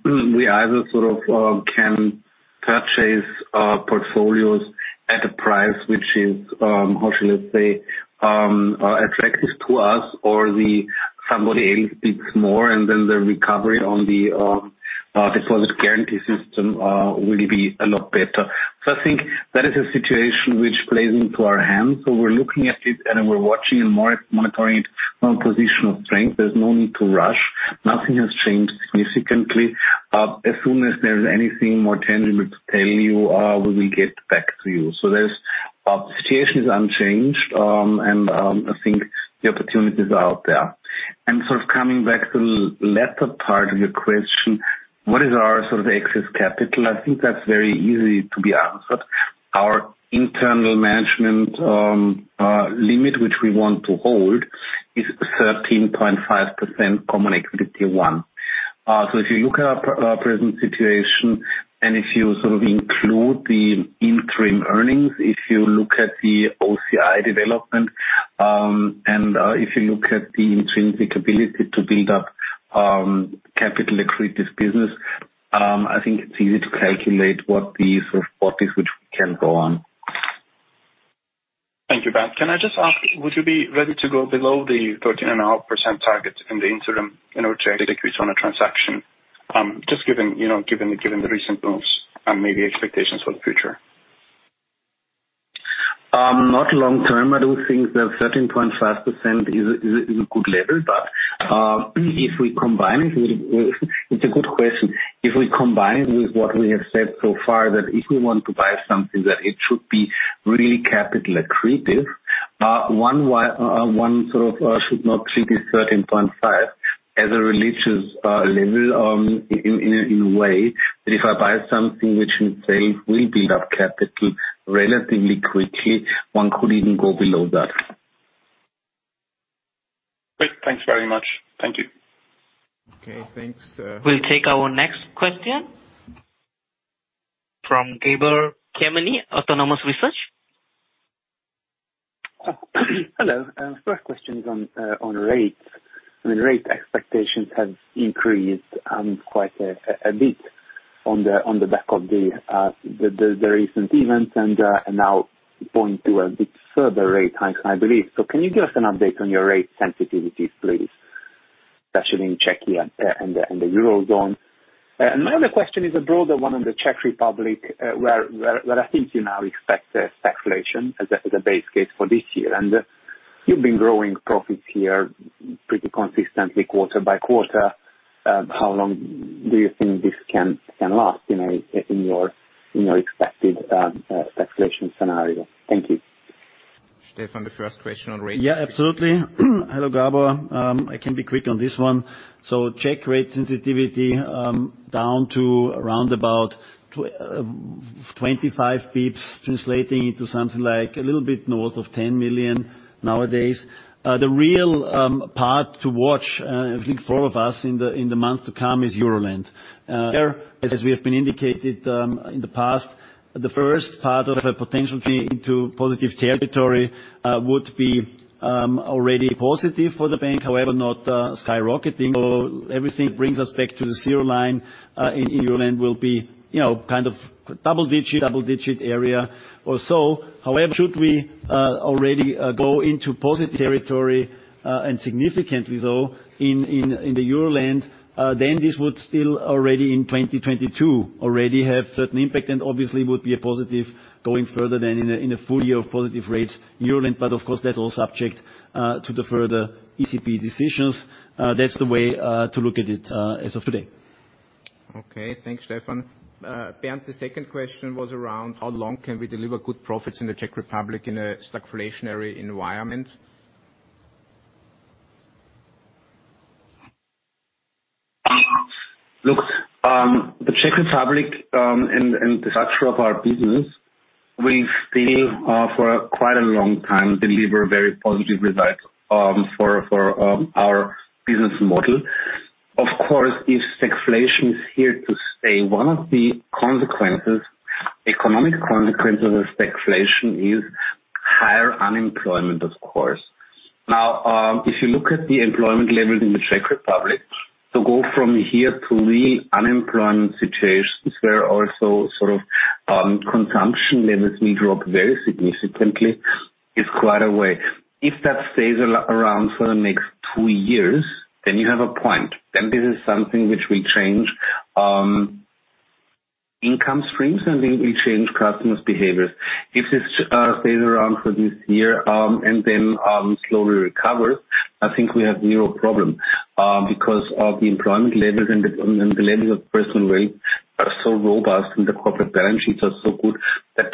We either sort of can purchase portfolios at a price which is, how should I say, attractive to us or the somebody else bids more, and then the recovery on the deposit guarantee scheme will be a lot better. I think that is a situation which plays into our hands, so we're looking at it and we're watching and monitoring it from a position of strength. There's no need to rush. Nothing has changed significantly. As soon as there's anything more tangible to tell you, we will get back to you. The situation is unchanged. I think the opportunities are out there. Sort of coming back to the latter part of your question, what is our sort of excess capital? I think that's very easy to be answered. Our internal management limit, which we want to hold, is 13.5% Common Equity Tier 1. If you look at our present situation and if you sort of include the interim earnings, if you look at the OCI development, and if you look at the intrinsic ability to build up capital accretive business, I think it's easy to calculate what the sort of what is, which can go on. Thank you, Bernhard. Can I just ask, would you be ready to go below the 13.5% target in the interim in order to execute on a transaction? Just given, you know, the recent moves and maybe expectations for the future. Not long term. I do think that 13.5% is a good level. If we combine it with. It's a good question. If we combine it with what we have said so far, that if we want to buy something, that it should be really capital accretive. One sort of should not treat this 13.5% as a religious level in a way. If I buy something which itself will build up capital relatively quickly, one could even go below that. Great. Thanks very much. Thank you. Okay, thanks. We'll take our next question from Gabor Kemeny, Autonomous Research. Hello. First question is on rates. I mean, rate expectations have increased quite a bit on the back of the recent events and now point to a bit further rate hike, I believe. Can you give us an update on your rate sensitivities, please, especially in Czechia and the Eurozone? My other question is a broader one on the Czech Republic, where I think you now expect a stagflation as a base case for this year. You've been growing profits here pretty consistently quarter by quarter. How long do you think this can last, you know, in your expected stagflation scenario? Thank you. Stefan, the first question on rates. Yeah, absolutely. Hello, Gabor. I can be quick on this one. Czech rate sensitivity down to around 25 basis points, translating into something like a little bit north of 10 million nowadays. The real part to watch, I think for all of us in the months to come is Euroland. As we have indicated in the past, the first part of a potential change into positive territory would be already positive for the bank, however, not skyrocketing. Everything brings us back to the zero line in Euroland will be, you know, kind of double digit area or so. However, should we already go into positive territory, and significantly so in the Euroland, then this would still already in 2022 already have certain impact and obviously would be a positive going further than in a full year of positive rates Euroland. Of course, that's all subject to the further ECB decisions. That's the way to look at it as of today. Okay. Thanks, Stefan. Bernhard, the second question was around how long can we deliver good profits in the Czech Republic in a stagflationary environment? Look, the Czech Republic, and the structure of our business will still, for quite a long time deliver a very positive result, for our business model. Of course, if stagflation is here to stay, one of the consequences, economic consequences of stagflation is higher unemployment, of course. Now, if you look at the employment levels in the Czech Republic, to go from here to real unemployment situations where also sort of, consumption levels will drop very significantly is quite a way. If that stays around for the next two years, then you have a point, then this is something which will change, income streams, and it will change customers' behaviors. If this stays around for this year, and then slowly recovers, I think we have zero problem because of the employment levels and the levels of personal wealth are so robust, and the corporate balance sheets are so good that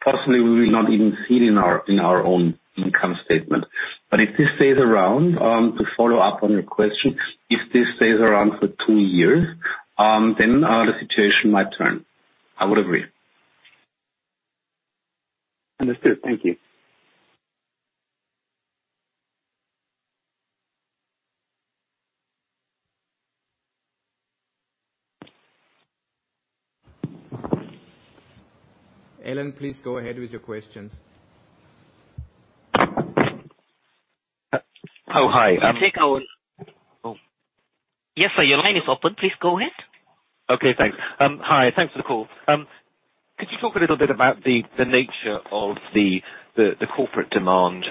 personally we will not even feel it in our own income statement. If this stays around, to follow up on your question, if this stays around for two years, the situation might turn. I would agree. Understood. Thank you. Allen, please go ahead with your questions. Oh, hi. Yes, sir. Your line is open. Please go ahead. Okay, thanks. Hi. Thanks for the call. Could you talk a little bit about the nature of the corporate demand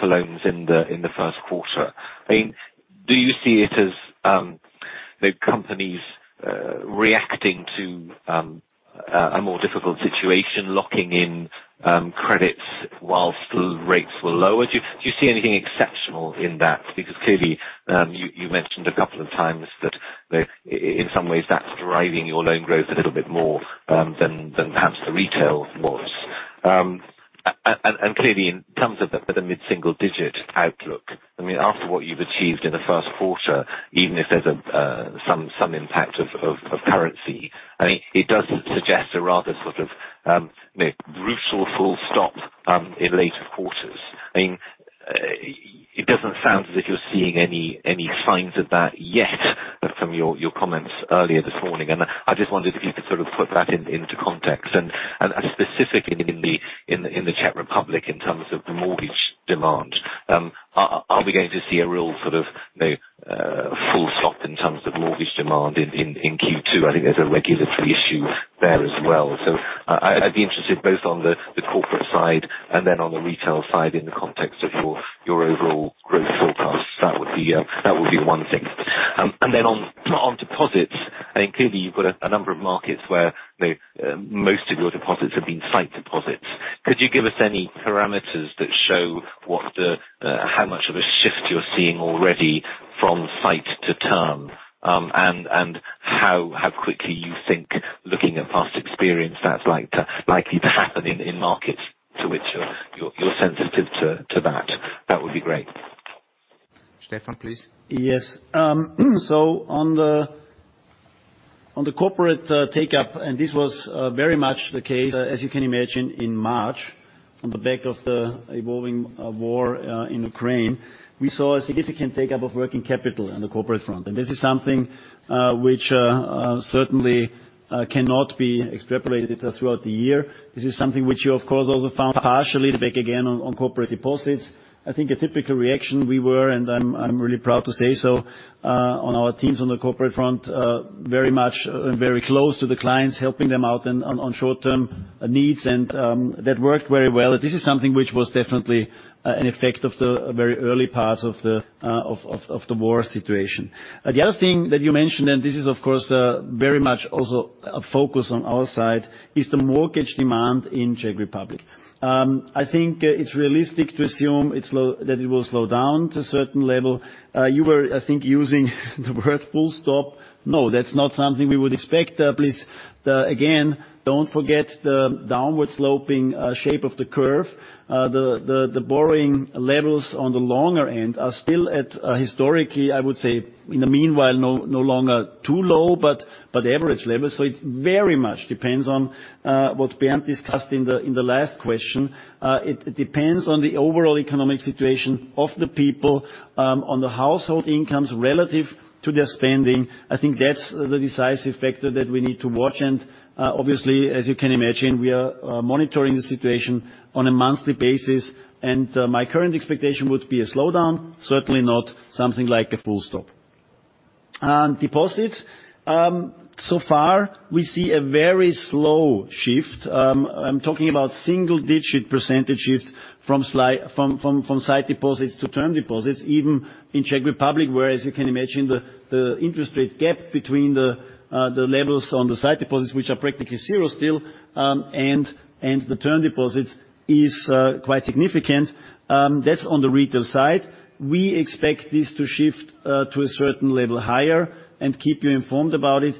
for loans in the first quarter? I mean, do you see it as the companies reacting to a more difficult situation, locking in credits while rates were lower? Do you see anything exceptional in that? Because clearly, you mentioned a couple of times that in some ways that's driving your loan growth a little bit more than perhaps the retail was. Clearly in terms of the mid-single digit outlook, I mean, after what you've achieved in the first quarter, even if there's some impact of currency, I mean, it does suggest a rather sort of you know, brutal full stop in later quarters. I mean, it doesn't sound as if you're seeing any signs of that yet from your comments earlier this morning, and I just wondered if you could sort of put that into context. Specifically in the Czech Republic, in terms of the mortgage demand, are we going to see a real sort of, you know, full stop in terms of mortgage demand in Q2? I think there's a regulatory issue there as well. I'd be interested both on the corporate side and then on the retail side in the context of your overall growth forecast. That would be one thing. Then on deposits, I think clearly you've got a number of markets where, you know, most of your deposits have been sight deposits. Could you give us any parameters that show how much of a shift you're seeing already from sight to term? How quickly you think, looking at past experience, that's likely to happen in markets to which you're sensitive to that? That would be great. Stefan, please. Yes. So on the corporate take-up, and this was very much the case, as you can imagine, in March, on the back of the evolving war in Ukraine, we saw a significant take-up of working capital on the corporate front. This is something which certainly cannot be extrapolated throughout the year. This is something which you, of course, also found partially back again on corporate deposits. I think a typical reaction we were, and I'm really proud to say so, on our teams on the corporate front very much and very close to the clients, helping them out on short-term needs, and that worked very well. This is something which was definitely an effect of the very early part of the war situation. The other thing that you mentioned, and this is, of course, very much also a focus on our side, is the mortgage demand in Czech Republic. I think it's realistic to assume that it will slow down to a certain level. You were, I think, using the word full stop. No, that's not something we would expect. Please, again, don't forget the downward sloping shape of the curve. The borrowing levels on the longer end are still at, historically, I would say, in the meanwhile, no longer too low, but average level. It very much depends on what Bernhard discussed in the last question. It depends on the overall economic situation of the people, on the household incomes relative to their spending. I think that's the decisive factor that we need to watch. Obviously, as you can imagine, we are monitoring the situation on a monthly basis, and my current expectation would be a slowdown, certainly not something like a full stop. Deposits, so far we see a very slow shift. I'm talking about single-digit percentage shift from sight deposits to term deposits, even in Czech Republic, whereas you can imagine the interest rate gap between the levels on the sight deposits, which are practically zero still, and the term deposits is quite significant. That's on the retail side. We expect this to shift to a certain level higher and keep you informed about it.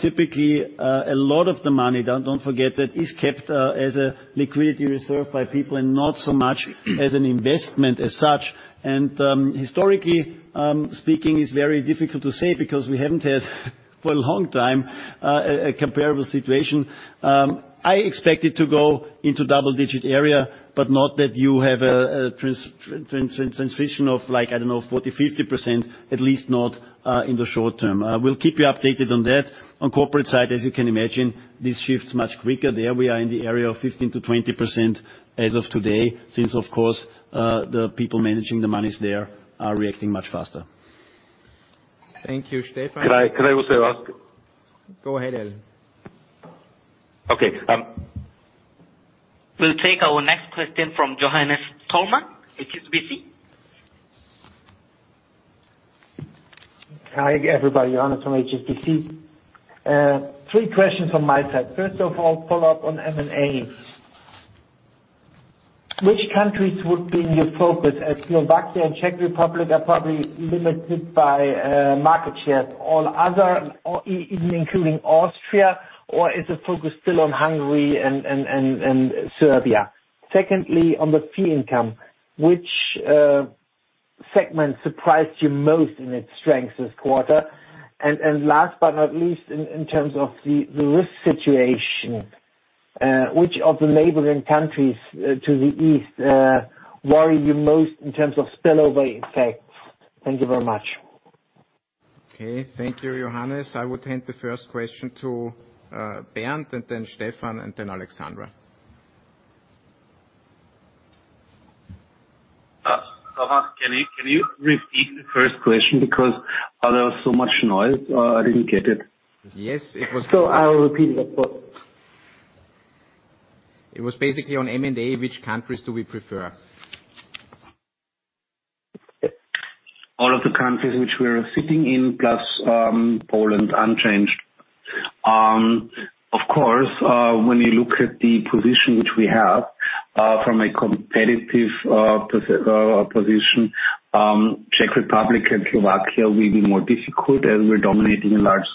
Typically, a lot of the money, don't forget that, is kept as a liquidity reserve by people and not so much as an investment as such. Historically speaking, it's very difficult to say because we haven't had, for a long time, a comparable situation. I expect it to go into double-digit area, but not that you have a transition of like, I don't know, 40%, 50%, at least not in the short term. We'll keep you updated on that. On corporate side, as you can imagine, this shifts much quicker. There we are in the area of 15%-20% as of today, since, of course, the people managing the monies there are reacting much faster. Thank you, Stefan. Could I also ask? Go ahead, Allen. Okay. We'll take our next question from Johannes Thormann, HSBC. Hi, everybody. Johannes from HSBC. Three questions from my side. First of all, follow-up on M&A. Which countries would be in your focus, as Slovakia and Czech Republic are probably limited by market share? All other, or including Austria, or is the focus still on Hungary and Serbia? Secondly, on the fee income, which segment surprised you most in its strength this quarter? And last but not least, in terms of the risk situation, which of the neighboring countries to the east worry you most in terms of spillover effects? Thank you very much. Okay. Thank you, Johannes. I would hand the first question to Bernhard, and then Stefan, and then Alexandra. Thomas, can you repeat the first question because there was so much noise? I didn't get it. Yes, it was. I will repeat it. It was basically on M&A, which countries do we prefer? All of the countries which we are sitting in plus Poland unchanged. Of course, when you look at the position which we have from a competitive position, Czech Republic and Slovakia will be more difficult, and we're dominating a large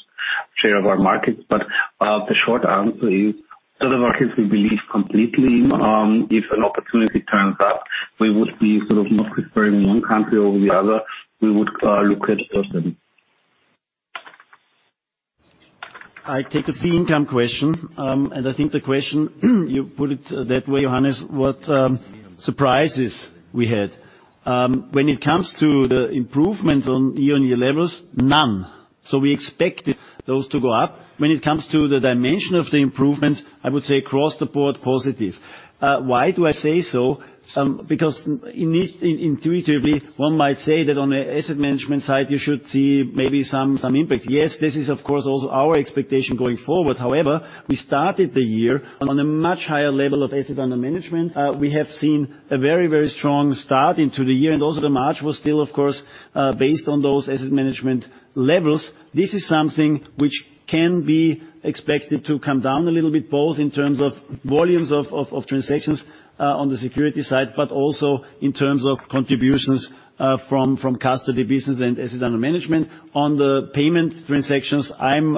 share of our markets. The short answer is, other markets we believe completely in. If an opportunity turns up, we would be sort of not preferring one country over the other. We would look at both of them. I take the fee income question. I think the question, you put it that way, Johannes, what surprises we had. When it comes to the improvements on year-on-year levels, none. We expected those to go up. When it comes to the dimension of the improvements, I would say across the board positive. Why do I say so? Because intuitively, one might say that on an asset management side, you should see maybe some impact. Yes, this is, of course, also our expectation going forward. However, we started the year on a much higher level of assets under management. We have seen a very strong start into the year, and also the March was still, of course, based on those asset management levels. This is something which can be expected to come down a little bit, both in terms of volumes of transactions on the security side, but also in terms of contributions from custody business and assets under management. On the payment transactions, I'm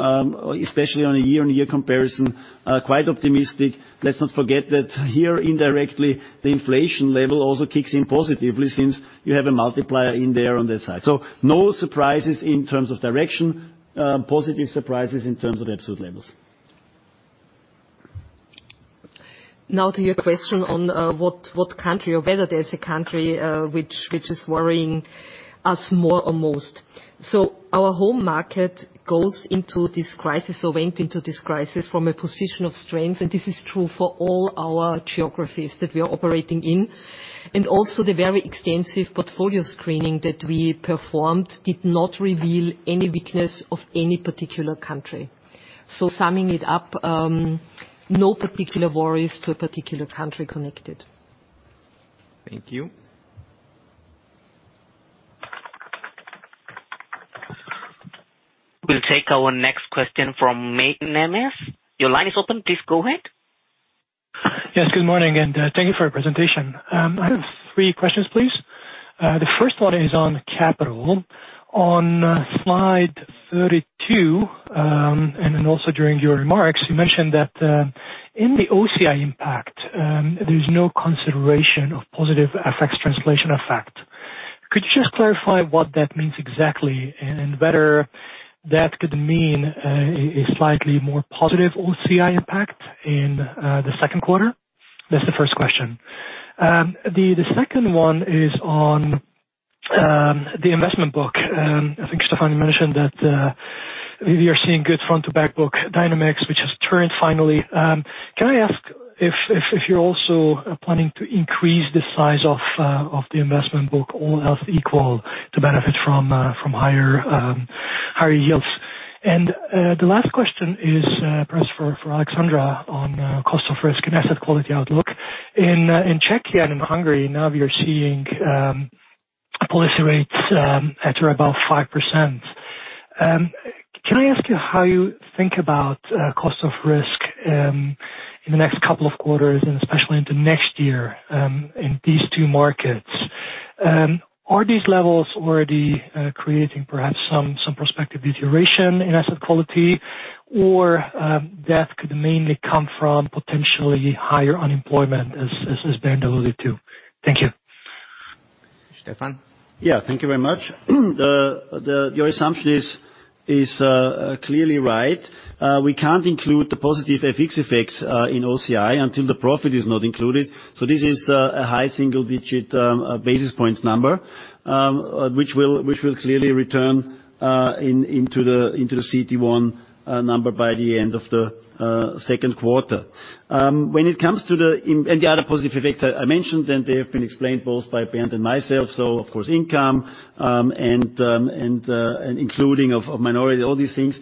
especially on a year-on-year comparison quite optimistic. Let's not forget that here indirectly, the inflation level also kicks in positively since you have a multiplier in there on that side. No surprises in terms of direction, positive surprises in terms of absolute levels. Now to your question on what country or whether there's a country which is worrying us more or most. Our home market went into this crisis from a position of strength, and this is true for all our geographies that we are operating in. Also the very extensive portfolio screening that we performed did not reveal any weakness of any particular country. Summing it up, no particular worries to a particular country connected. Thank you. We'll take our next question from Mate Nemes. Your line is open. Please go ahead. Yes, good morning, and, thank you for your presentation. I have three questions, please. The first one is on capital. On slide 32, and then also during your remarks, you mentioned that, in the OCI impact, there's no consideration of positive FX translation effect. Could you just clarify what that means exactly and whether that could mean, a slightly more positive OCI impact in, the second quarter? That's the first question. The second one is on, the investment book. I think, Stefan, you mentioned that, we are seeing good front book to back book dynamics, which has turned finally. Can I ask if you're also planning to increase the size of the investment book all else equal to benefit from higher yields? The last question is, perhaps for Alexandra on cost of risk and asset quality outlook. In Czechia and Hungary, now we are seeing policy rates at or above 5%. Can I ask you how you think about cost of risk in the next couple of quarters and especially into next year in these two markets? Are these levels already creating perhaps some prospective deterioration in asset quality, or that could mainly come from potentially higher unemployment as Bernhard alluded to? Thank you. Stefan? Yeah. Thank you very much. The your assumption is clearly right. We can't include the positive FX effects in OCI until the profit is not included. This is a high single-digit basis points number, which will clearly return into the CET1 number by the end of the second quarter. When it comes to the other positive effects I mentioned, and they have been explained both by Bernhard and myself, so of course, income and including of minority, all these things.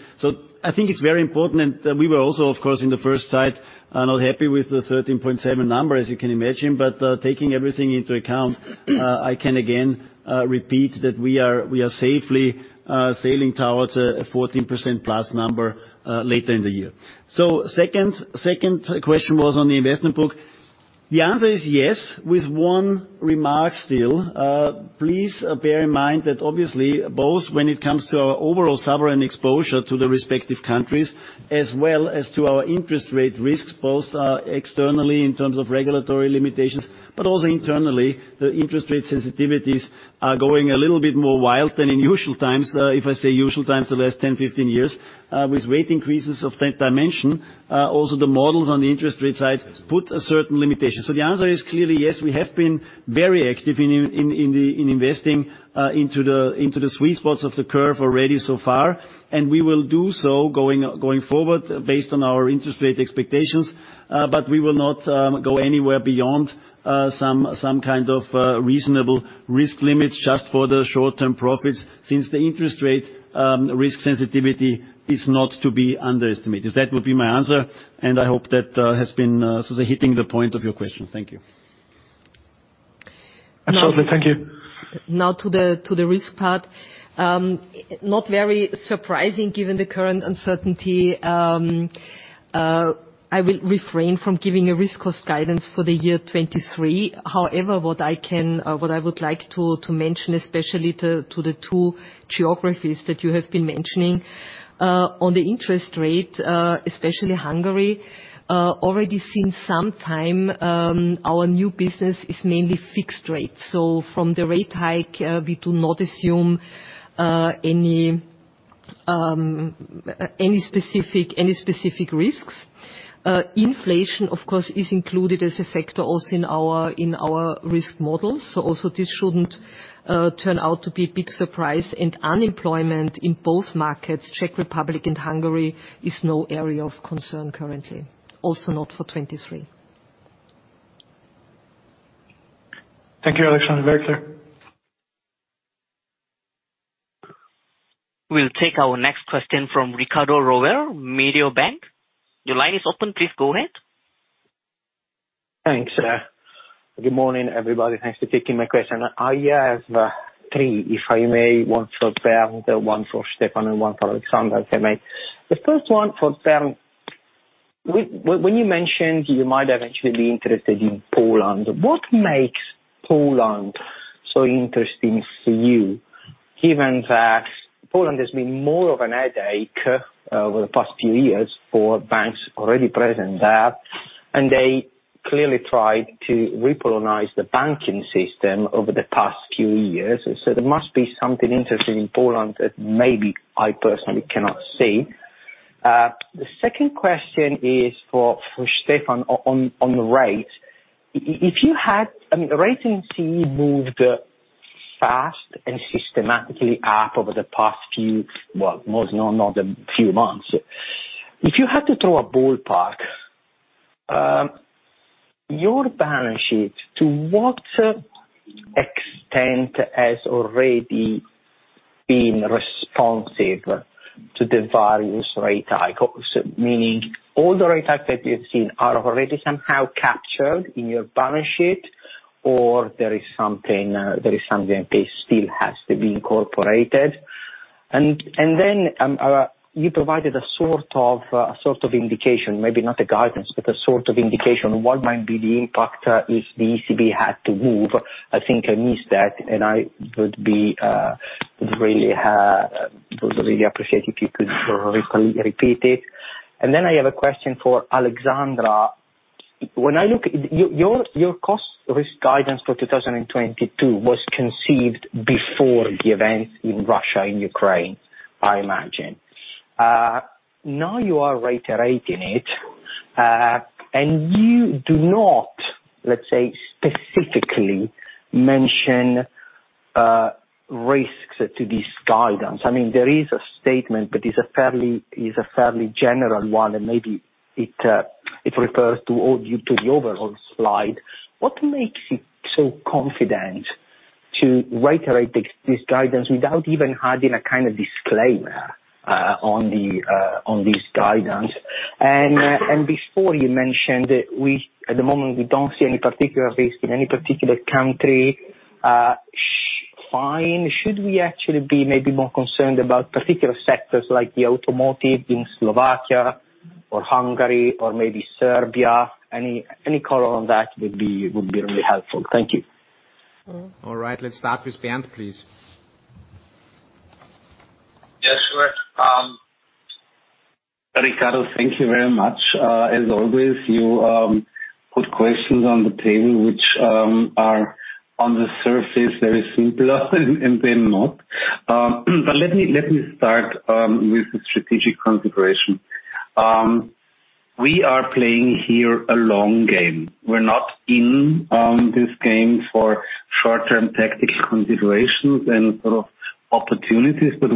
I think it's very important, and we were also, of course, at first sight not happy with the 13.7% number, as you can imagine. Taking everything into account, I can again repeat that we are safely sailing towards a 14%+ number later in the year. Second question was on the investment book. The answer is yes, with one remark still. Please bear in mind that obviously, both when it comes to our overall sovereign exposure to the respective countries, as well as to our interest rate risks, both externally in terms of regulatory limitations, but also internally, the interest rate sensitivities are going a little bit more wild than in usual times. If I say usual times, the last 10, 15 years with rate increases of that dimension, also the models on the interest rate side put a certain limitation. The answer is clearly yes, we have been very active in investing into the sweet spots of the curve already so far. We will do so going forward based on our interest rate expectations, but we will not go anywhere beyond some kind of reasonable risk limits just for the short-term profits since the interest rate risk sensitivity is not to be underestimated. That would be my answer, and I hope that has been sort of hitting the point of your question. Thank you. Absolutely. Thank you. Now to the risk part. Not very surprising given the current uncertainty, I will refrain from giving a risk cost guidance for the year 2023. However, what I would like to mention, especially to the two geographies that you have been mentioning, on the interest rate, especially Hungary, already for some time, our new business is mainly fixed rate. So from the rate hike, we do not assume any specific risks. Inflation, of course, is included as a factor also in our risk models. So also this shouldn't turn out to be a big surprise. Unemployment in both markets, Czech Republic and Hungary, is no area of concern currently. Also not for 2023. Thank you, Alexandra. Very clear. We'll take our next question from Riccardo Rovere, Mediobanca. Your line is open. Please go ahead. Thanks. Good morning, everybody. Thanks for taking my question. I have three, if I may, one for Bernhard, one for Stefan, and one for Alexandra, if I may. The first one for Bernhard. When you mentioned you might eventually be interested in Poland, what makes Poland so interesting for you, given that Poland has been more of a headache over the past few years for banks already present there, and they clearly tried to repolonize the banking system over the past few years. There must be something interesting in Poland that maybe I personally cannot see. The second question is for Stefan on the rates. I mean, the rating team moved fast and systematically up over the past few, well, more than a few months. If you had to throw a ballpark, your balance sheet, to what extent has already been responsive to the various rate hikes? Meaning all the rate hikes that you've seen are already somehow captured in your balance sheet or there is something that still has to be incorporated. You provided a sort of indication, maybe not a guidance, but a sort of indication what might be the impact if the ECB had to move. I think I missed that, and I would really appreciate if you could repeat it. Then I have a question for Alexandra. When I look. Your cost risk guidance for 2022 was conceived before the events in Russia and Ukraine, I imagine. Now you are reiterating it, and you do not, let's say, specifically mention risks to this guidance. I mean, there is a statement, but it's a fairly general one, and maybe it refers to all to the overall slide. What makes you so confident to reiterate this guidance without even adding a kind of disclaimer on this guidance? Before you mentioned at the moment, we don't see any particular risk in any particular country. Should we actually be maybe more concerned about particular sectors like the automotive in Slovakia or Hungary or maybe Serbia? Any color on that would be really helpful. Thank you. All right. Let's start with Bernhard, please. Yes, sure. Riccardo, thank you very much. As always, you put questions on the table which are on the surface very simple and then not. Let me start with the strategic configuration. We are playing here a long game. We're not in this game for short-term tactical considerations and sort of opportunities, but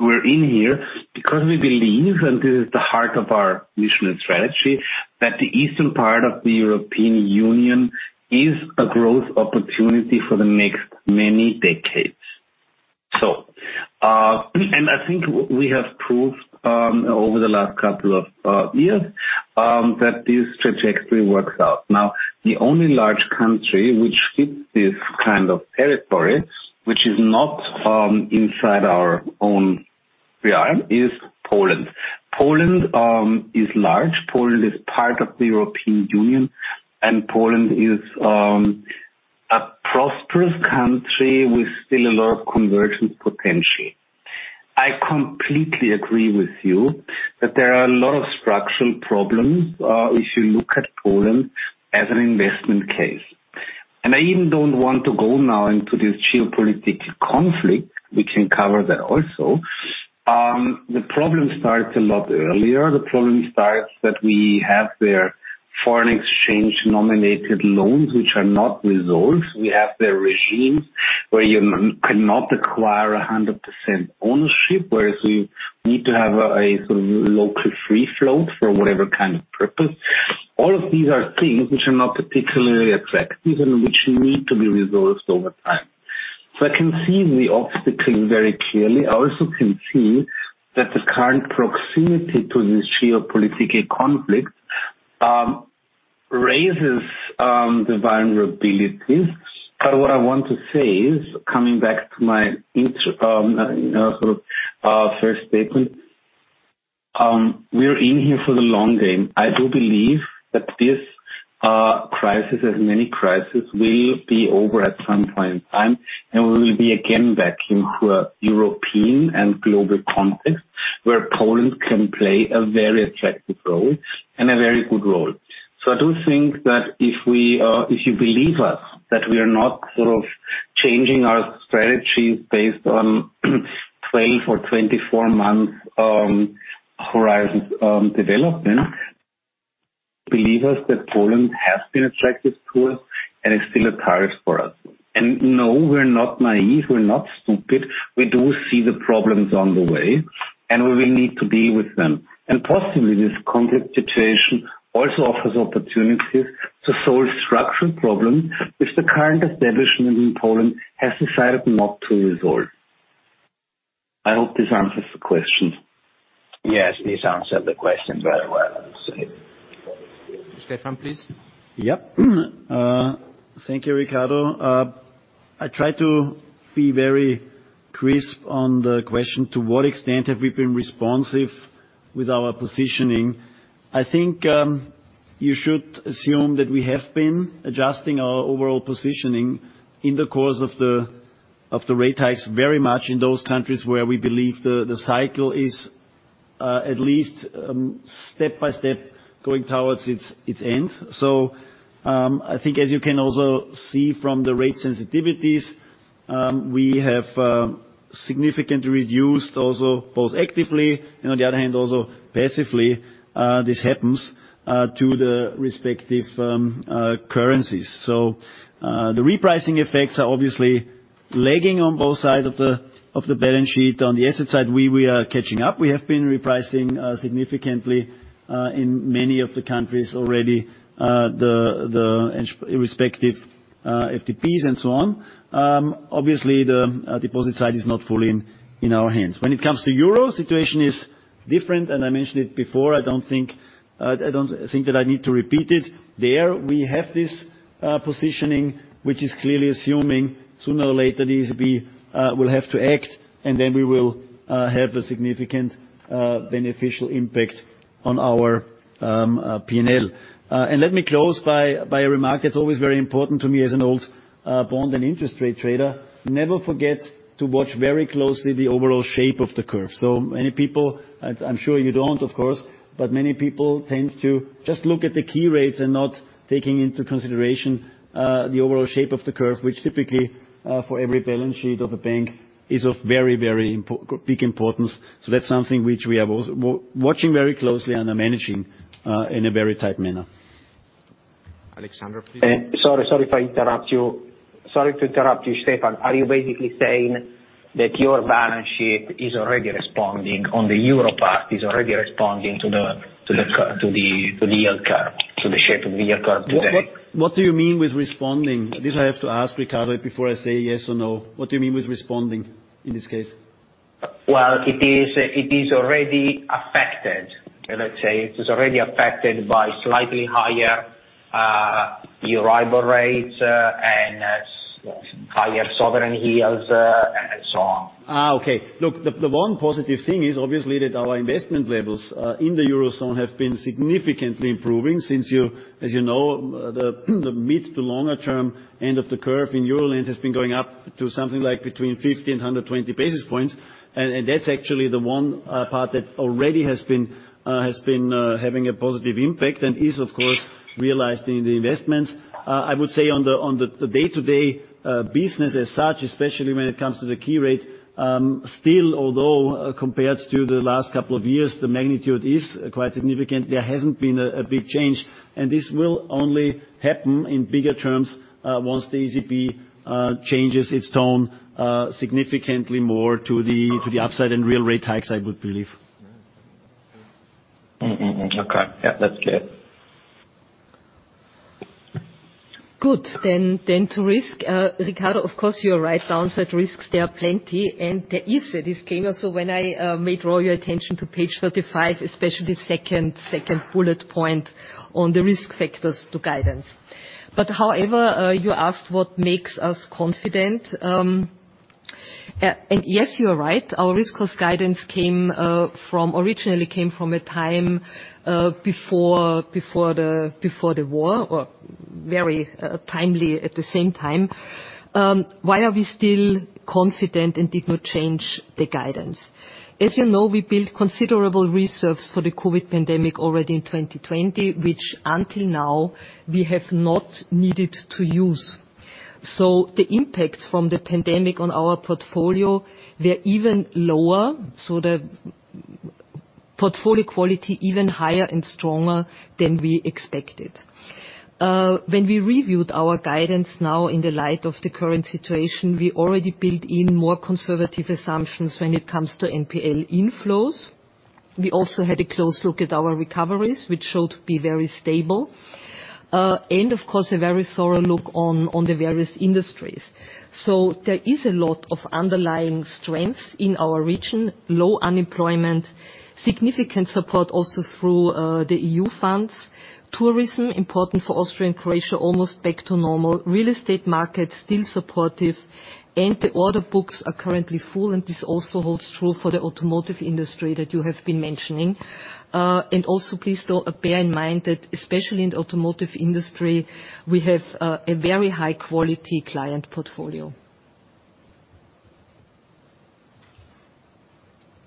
we're in here because we believe, and this is the heart of our mission and strategy, that the eastern part of the European Union is a growth opportunity for the next many decades. I think we have proved over the last couple of years that this trajectory works out. Now, the only large country which fits this kind of territory, which is not inside our own realm, is Poland. Poland is large. Poland is part of the European Union, and Poland is a prosperous country with still a lot of convergence potential. I completely agree with you that there are a lot of structural problems if you look at Poland as an investment case. I even don't want to go now into this geopolitical conflict. We can cover that also. The problem starts a lot earlier. The problem starts that we have their foreign exchange denominated loans which are not resolved. We have their regime where you cannot acquire 100% ownership, whereas we need to have a sort of local free float for whatever kind of purpose. All of these are things which are not particularly attractive and which need to be resolved over time. I can see the obstacle very clearly. I also can see that the current proximity to this geopolitical conflict raises the vulnerabilities. What I want to say is, coming back to my intro, you know, sort of first statement, we're in here for the long game. I do believe that this crisis, as many crises, will be over at some point in time, and we will be again back into a European and global context where Poland can play a very attractive role and a very good role. I do think that if we, if you believe us, that we are not sort of changing our strategies based on 12 or 24 months horizon development. Believe us that Poland has been attractive to us and is still attractive for us. No, we're not naive, we're not stupid. We do see the problems on the way, and we will need to deal with them. Possibly this conflict situation also offers opportunities to solve structural problems which the current establishment in Poland has decided not to resolve. I hope this answers the question. Yes, this answered the question very well, I would say. Stefan, please. Yep. Thank you, Riccardo. I try to be very crisp on the question, to what extent have we been responsive with our positioning? I think you should assume that we have been adjusting our overall positioning in the course of the rate hikes very much in those countries where we believe the cycle is at least step-by-step going towards its end. I think as you can also see from the rate sensitivities, we have significantly reduced also both actively and on the other hand, also passively, this has happened to the respective currencies. The repricing effects are obviously lagging on both sides of the balance sheet. On the asset side, we are catching up. We have been repricing significantly in many of the countries already, the respective FTDs and so on. Obviously the deposit side is not fully in our hands. When it comes to euro, situation is different, and I mentioned it before. I don't think that I need to repeat it. There, we have this positioning, which is clearly assuming sooner or later the ECB will have to act, and then we will have a significant beneficial impact on our P&L. Let me close by a remark that's always very important to me as an old bond and interest rate trader. Never forget to watch very closely the overall shape of the curve. Many people, I'm sure you don't of course, but many people tend to just look at the key rates and not taking into consideration, the overall shape of the curve, which typically, for every balance sheet of a bank is of very big importance. That's something which we are also watching very closely and are managing, in a very tight manner. Alexandra, please. Sorry to interrupt you, Stefan. Are you basically saying that your balance sheet is already responding, on the euro part, to the shape of the yield curve today? What do you mean with responding? This I have to ask, Riccardo, before I say yes or no. What do you mean with responding in this case? Well, it is already affected. Let's say it is already affected by slightly higher Euro rates and higher sovereign yields and so on. Okay. Look, the one positive thing is obviously that our investment levels in the eurozone have been significantly improving since, as you know, the mid- to longer-term end of the curve in Euroland has been going up to something like between 50 and 120 basis points. That's actually the one part that already has been having a positive impact and is, of course, realized in the investments. I would say on the day-to-day business as such, especially when it comes to the key rate, still, although compared to the last couple of years, the magnitude is quite significant, there hasn't been a big change, and this will only happen in bigger terms once the ECB changes its tone significantly more to the upside and real rate hikes, I would believe. Okay. Yeah, that's clear. Good. To risk. Riccardo, of course, you're right. Downside risks, there are plenty, and there is a disclaimer. When I may draw your attention to page 35, especially second bullet point on the risk factors to guidance. However, you asked what makes us confident. Yes, you are right. Our risk guidance came originally from a time before the war, or very timely at the same time. Why are we still confident and did not change the guidance? As you know, we built considerable reserves for the COVID pandemic already in 2020, which until now we have not needed to use. The impact from the pandemic on our portfolio, they're even lower, so the portfolio quality even higher and stronger than we expected. When we reviewed our guidance now in the light of the current situation, we already built in more conservative assumptions when it comes to NPL inflows. We also had a close look at our recoveries, which showed to be very stable. Of course, a very thorough look on the various industries. There is a lot of underlying strengths in our region, low unemployment, significant support also through the EU funds. Tourism, important for Austria and Croatia, almost back to normal. Real estate markets still supportive, and the order books are currently full, and this also holds true for the automotive industry that you have been mentioning. Also please do bear in mind that especially in the automotive industry, we have a very high-quality client portfolio.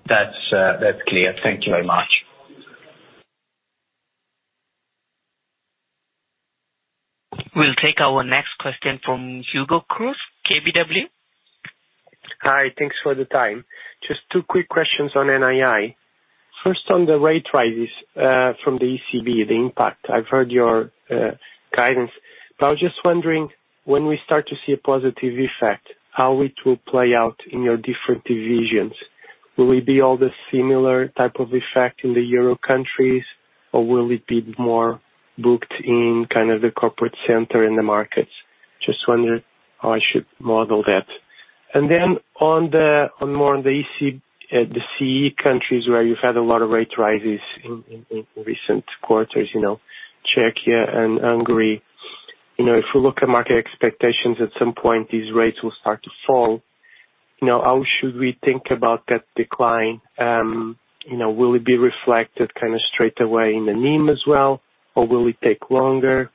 That's clear. Thank you very much. We'll take our next question from Hugo Cruz, KBW. Hi. Thanks for the time. Just two quick questions on NII. First, on the rate rises from the ECB, the impact. I've heard your guidance, but I was just wondering when we start to see a positive effect, how it will play out in your different divisions. Will it be all the similar type of effect in the Euro countries, or will it be more booked in kind of the corporate center in the markets? Just wondering how I should model that. More on the CEE countries where you've had a lot of rate rises in recent quarters, you know, Czechia and Hungary. You know, if we look at market expectations, at some point, these rates will start to fall. You know, how should we think about that decline, you know, will it be reflected kind of straight away in the NIM as well, or will it take longer?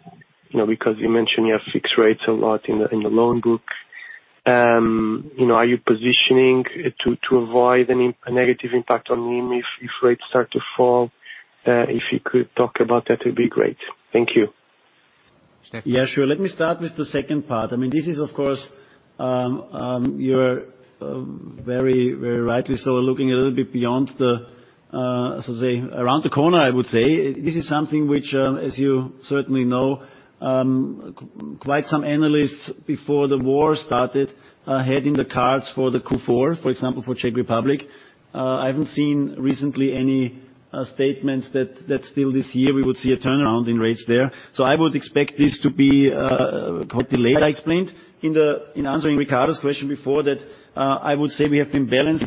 You know, because you mentioned you have fixed rates a lot in the loan book. You know, are you positioning to avoid any negative impact on NIM if rates start to fall? If you could talk about that, it'd be great. Thank you. Yeah, sure. Let me start with the second part. I mean, this is of course, you're very, very rightly so looking a little bit beyond the so to say, around the corner, I would say. This is something which, as you certainly know, quite some analysts before the war started had in the cards for the Q4, for example, for Czech Republic. I haven't seen recently any statements that that still this year we would see a turnaround in rates there. So I would expect this to be delayed. I explained in answering Riccardo's question before that, I would say we have balanced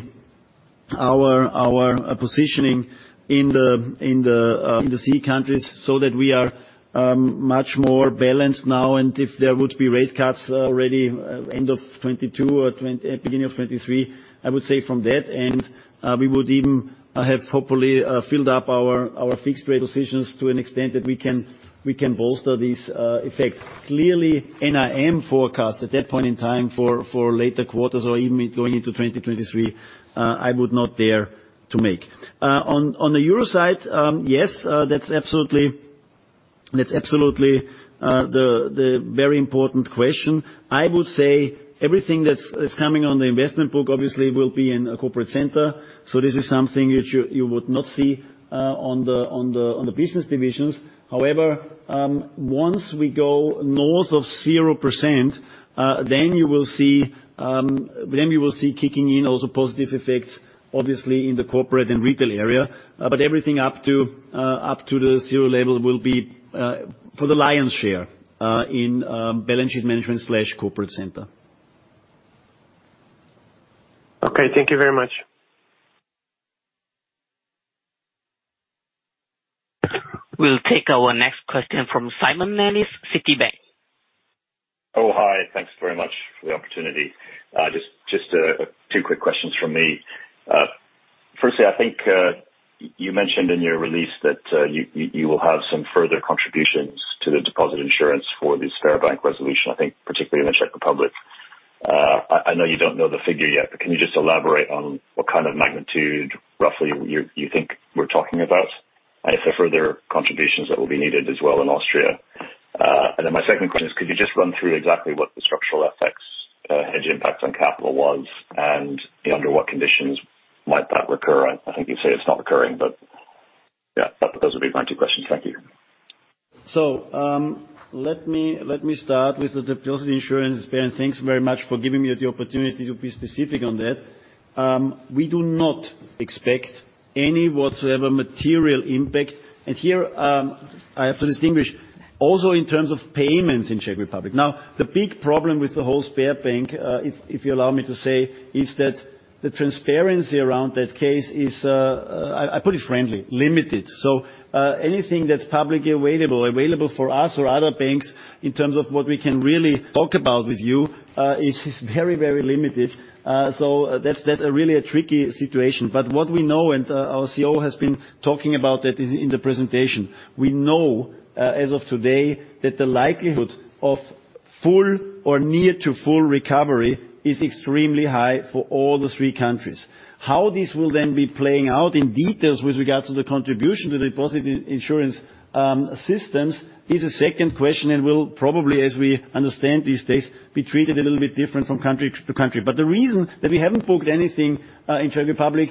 our positioning in the CEE countries so that we are much more balanced now. If there would be rate cuts already end of 2022 or beginning of 2023, I would say from that end, we would even have hopefully filled up our fixed rate positions to an extent that we can bolster these effects. Clearly, NIM forecast at that point in time for later quarters or even going into 2023, I would not dare to make. On the Euro side, yes, that's absolutely the very important question. I would say everything that's coming on the investment book obviously will be in a corporate center. So this is something which you would not see on the business divisions. However, once we go north of 0%, then you will see kicking in also positive effects, obviously in the corporate and retail area. Everything up to the zero level will be, for the lion's share, in balance sheet management/corporate center. Okay. Thank you very much. We'll take our next question from Simon Nellis, Citi. Oh, hi. Thanks very much for the opportunity. Just two quick questions from me. Firstly, I think you mentioned in your release that you will have some further contributions to the deposit insurance for this Sberbank resolution, I think particularly in the Czech Republic. I know you don't know the figure yet, but can you just elaborate on what kind of magnitude roughly you think we're talking about? And if there are further contributions that will be needed as well in Austria? My second question is, could you just run through exactly what the structural FX hedge impact on capital was and under what conditions might that recur? I think you say it's not recurring, but yeah. Those would be my two questions. Thank you. Let me start with the deposit insurance, Simon, thanks very much for giving me the opportunity to be specific on that. We do not expect any whatsoever material impact. Here, I have to distinguish also in terms of payments in Czech Republic. Now, the big problem with the whole Sberbank, if you allow me to say, is that the transparency around that case is, I put it frankly, limited. Anything that's publicly available for us or other banks in terms of what we can really talk about with you is very, very limited. That's a really tricky situation. What we know, and our CEO has been talking about that in the presentation, we know as of today that the likelihood of full or near to full recovery is extremely high for all the three countries. How this will then be playing out in detail with regards to the contribution to the deposit insurance systems is a second question, and will probably, as we understand these days, be treated a little bit different from country to country. The reason that we haven't booked anything in Czech Republic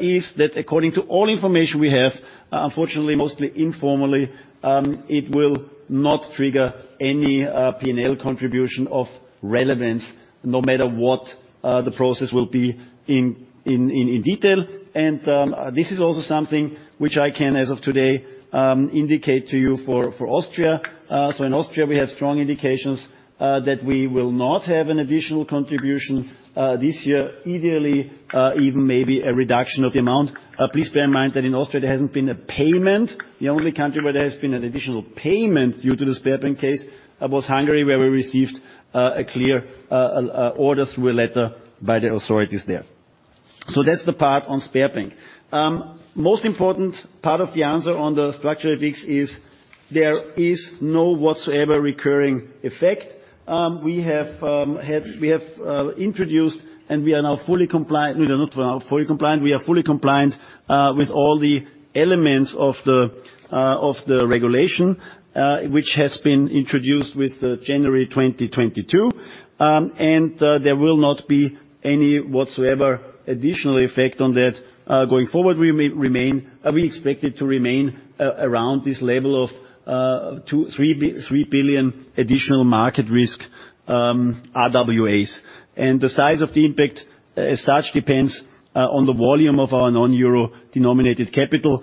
is that according to all information we have, unfortunately, mostly informally, it will not trigger any P&L contribution of relevance no matter what the process will be in detail. This is also something which I can, as of today, indicate to you for Austria. In Austria, we have strong indications that we will not have an additional contribution this year, ideally even maybe a reduction of the amount. Please bear in mind that in Austria, there hasn't been a payment. The only country where there has been an additional payment due to the Sberbank case was Hungary, where we received a clear order through a letter by the authorities there. That's the part on Sberbank. Most important part of the answer on the structural risks is there is no whatsoever recurring effect. We have introduced, and we are now fully compliant. We are not now fully compliant. We are fully compliant with all the elements of the regulation, which has been introduced with January 2022. There will not be any whatsoever additional effect on that. Going forward, we expect it to remain around this level of 2 billion-3 billion additional market risk RWAs. The size of the impact, as such, depends on the volume of our non-euro-denominated capital.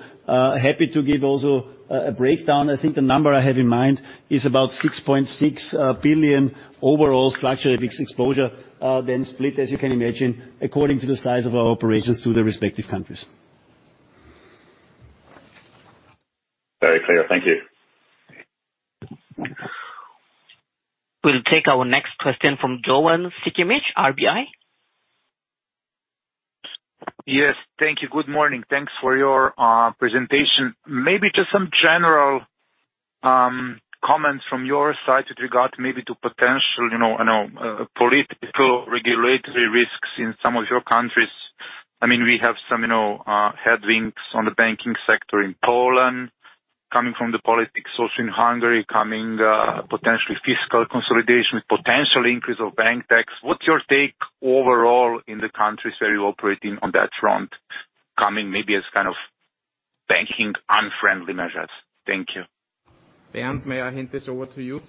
Happy to give also a breakdown. I think the number I have in mind is about 6.6 billion overall structural FX risk exposure, then split, as you can imagine, according to the size of our operations through the respective countries. Very clear. Thank you. We'll take our next question from Jovan Sikimic, RBI. Yes. Thank you. Good morning. Thanks for your presentation. Maybe just some general comments from your side with regard maybe to potential, you know, I know, political regulatory risks in some of your countries. I mean, we have some, you know, headwinds on the banking sector in Poland coming from the politics, also in Hungary, coming, potentially fiscal consolidation with potential increase of bank tax. What's your take overall in the countries where you operate in on that front, coming maybe as kind of banking unfriendly measures? Thank you. Bernhard, may I hand this over to you?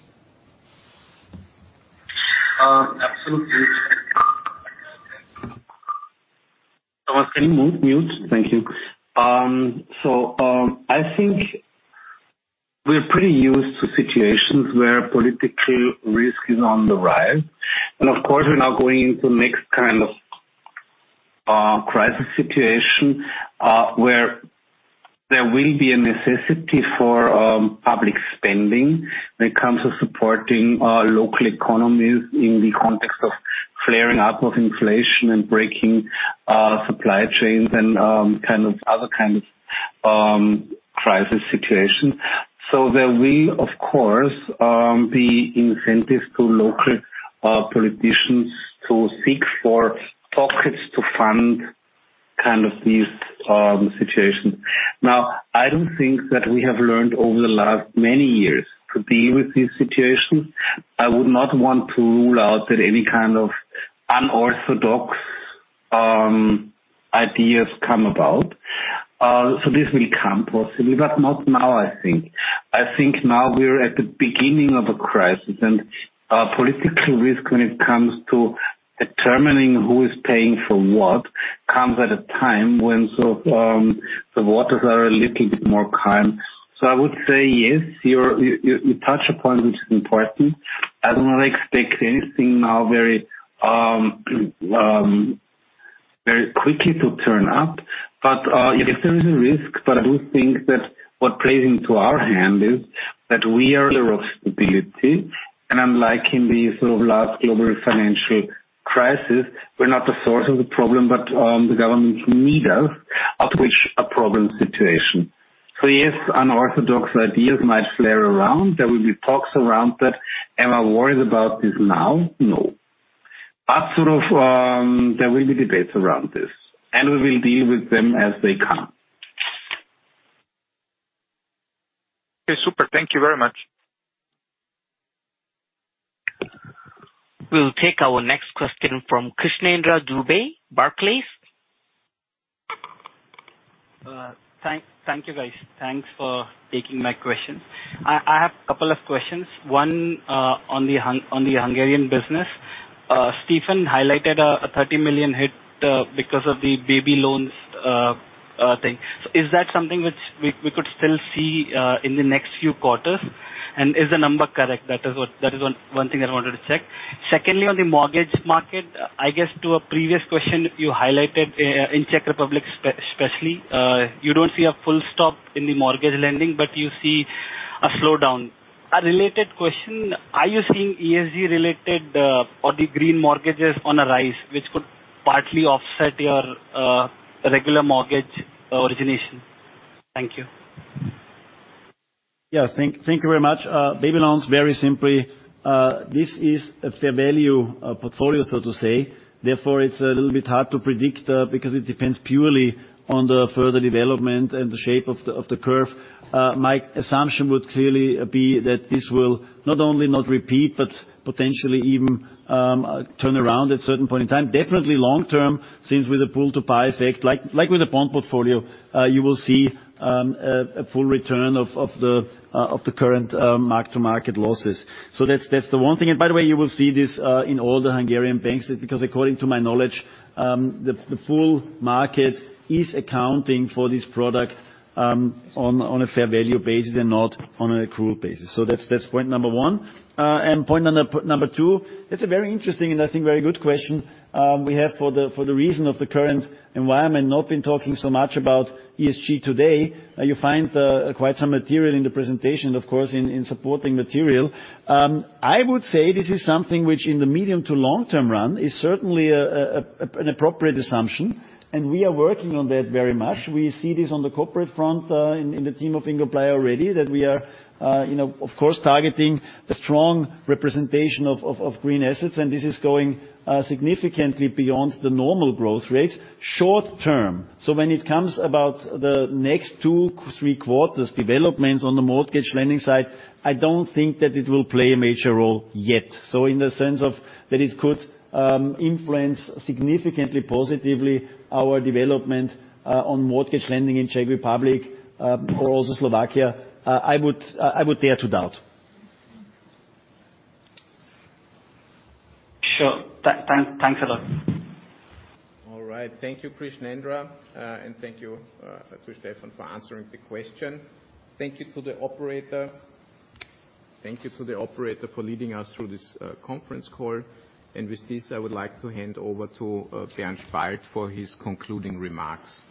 Absolutely. Thank you. I think we're pretty used to situations where political risk is on the rise, and of course, we're now going into next kind of crisis situation, where there will be a necessity for public spending when it comes to supporting local economies in the context of flaring up of inflation and breaking supply chains and kind of other kind of crisis situation. There will of course be incentives to local politicians to seek for pockets to fund kind of these situations. Now, I don't think that we have learned over the last many years to deal with these situations. I would not want to rule out that any kind of unorthodox ideas come about. This will come possibly, but not now, I think. I think now we're at the beginning of a crisis, and political risk when it comes to determining who is paying for what comes at a time when the waters are a little bit more calm. I would say yes, you touch upon which is important. I don't expect anything now very quickly to turn up. Yes, there is a risk, but I do think that what plays into our hand is that we are the rock of stability, and unlike in the sort of last global financial crisis, we're not the source of the problem, but the government need us at which a problem situation. Yes, unorthodox ideas might flare around. There will be talks around that. Am I worried about this now? No. Sort of, there will be debates around this, and we will deal with them as they come. Okay. Super. Thank you very much. We'll take our next question from Krishnendra Dubey, Barclays. Thank you, guys. Thanks for taking my question. I have a couple of questions. One, on the Hungarian business. Stefan highlighted a 30 million hit because of the baby loans thing. Is that something which we could still see in the next few quarters? And is the number correct? That is one thing I wanted to check. Secondly, on the mortgage market, I guess to a previous question you highlighted, in Czech Republic especially, you don't see a full stop in the mortgage lending, but you see a slowdown. A related question, are you seeing ESG related or the green mortgages on a rise, which could partly offset your regular mortgage origination? Thank you. Yeah. Thank you very much. Baby loans, very simply, this is a fair value portfolio, so to say, therefore, it's a little bit hard to predict, because it depends purely on the further development and the shape of the curve. My assumption would clearly be that this will not only not repeat, but potentially even turn around at a certain point in time. Definitely long term, since with the pull to par effect, like with the bond portfolio, you will see a full return of the current mark-to-market losses. So that's the one thing. By the way, you will see this in all the Hungarian banks, because according to my knowledge, the full market is accounting for this product on a fair value basis and not on an accrual basis. That's point number one. Point number two, it's a very interesting, and I think very good question. We have for the reason of the current environment, not been talking so much about ESG today. You find quite some material in the presentation, of course, in supporting material. I would say this is something which in the medium to long-term run is certainly an appropriate assumption, and we are working on that very much. We see this on the corporate front, in the team of Ingo Bleier already, that we are, you know, of course, targeting the strong representation of green assets, and this is going significantly beyond the normal growth rates short-term. When it comes about the next two, three quarters developments on the mortgage lending side, I don't think that it will play a major role yet. In the sense of that it could influence significantly positively our development on mortgage lending in Czech Republic or also Slovakia, I would dare to doubt. Sure. Thanks a lot. All right. Thank you, Krishnendra, and thank you to Stefan Dörfler for answering the question. Thank you to the operator. Thank you to the operator for leading us through this conference call. With this, I would like to hand over to Bernhard Spalt for his concluding remarks.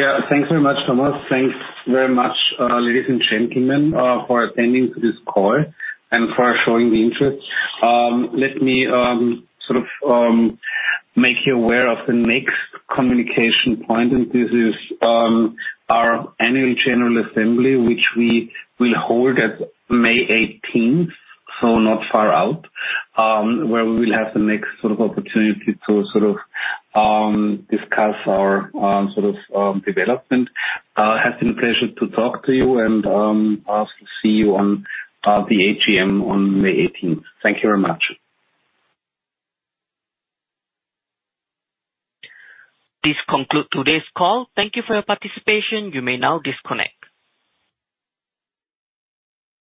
Yeah. Thanks very much, Thomas. Thanks very much, ladies and gentlemen, for attending to this call and for showing the interest. Let me sort of make you aware of the next communication point, and this is our annual general assembly, which we will hold at May18th, so not far out, where we will have the next sort of opportunity to sort of discuss our sort of development. Has been a pleasure to talk to you and I'll see you on the AGM on May 18th. Thank you very much. This concludes today's call. Thank you for your participation. You may now disconnect.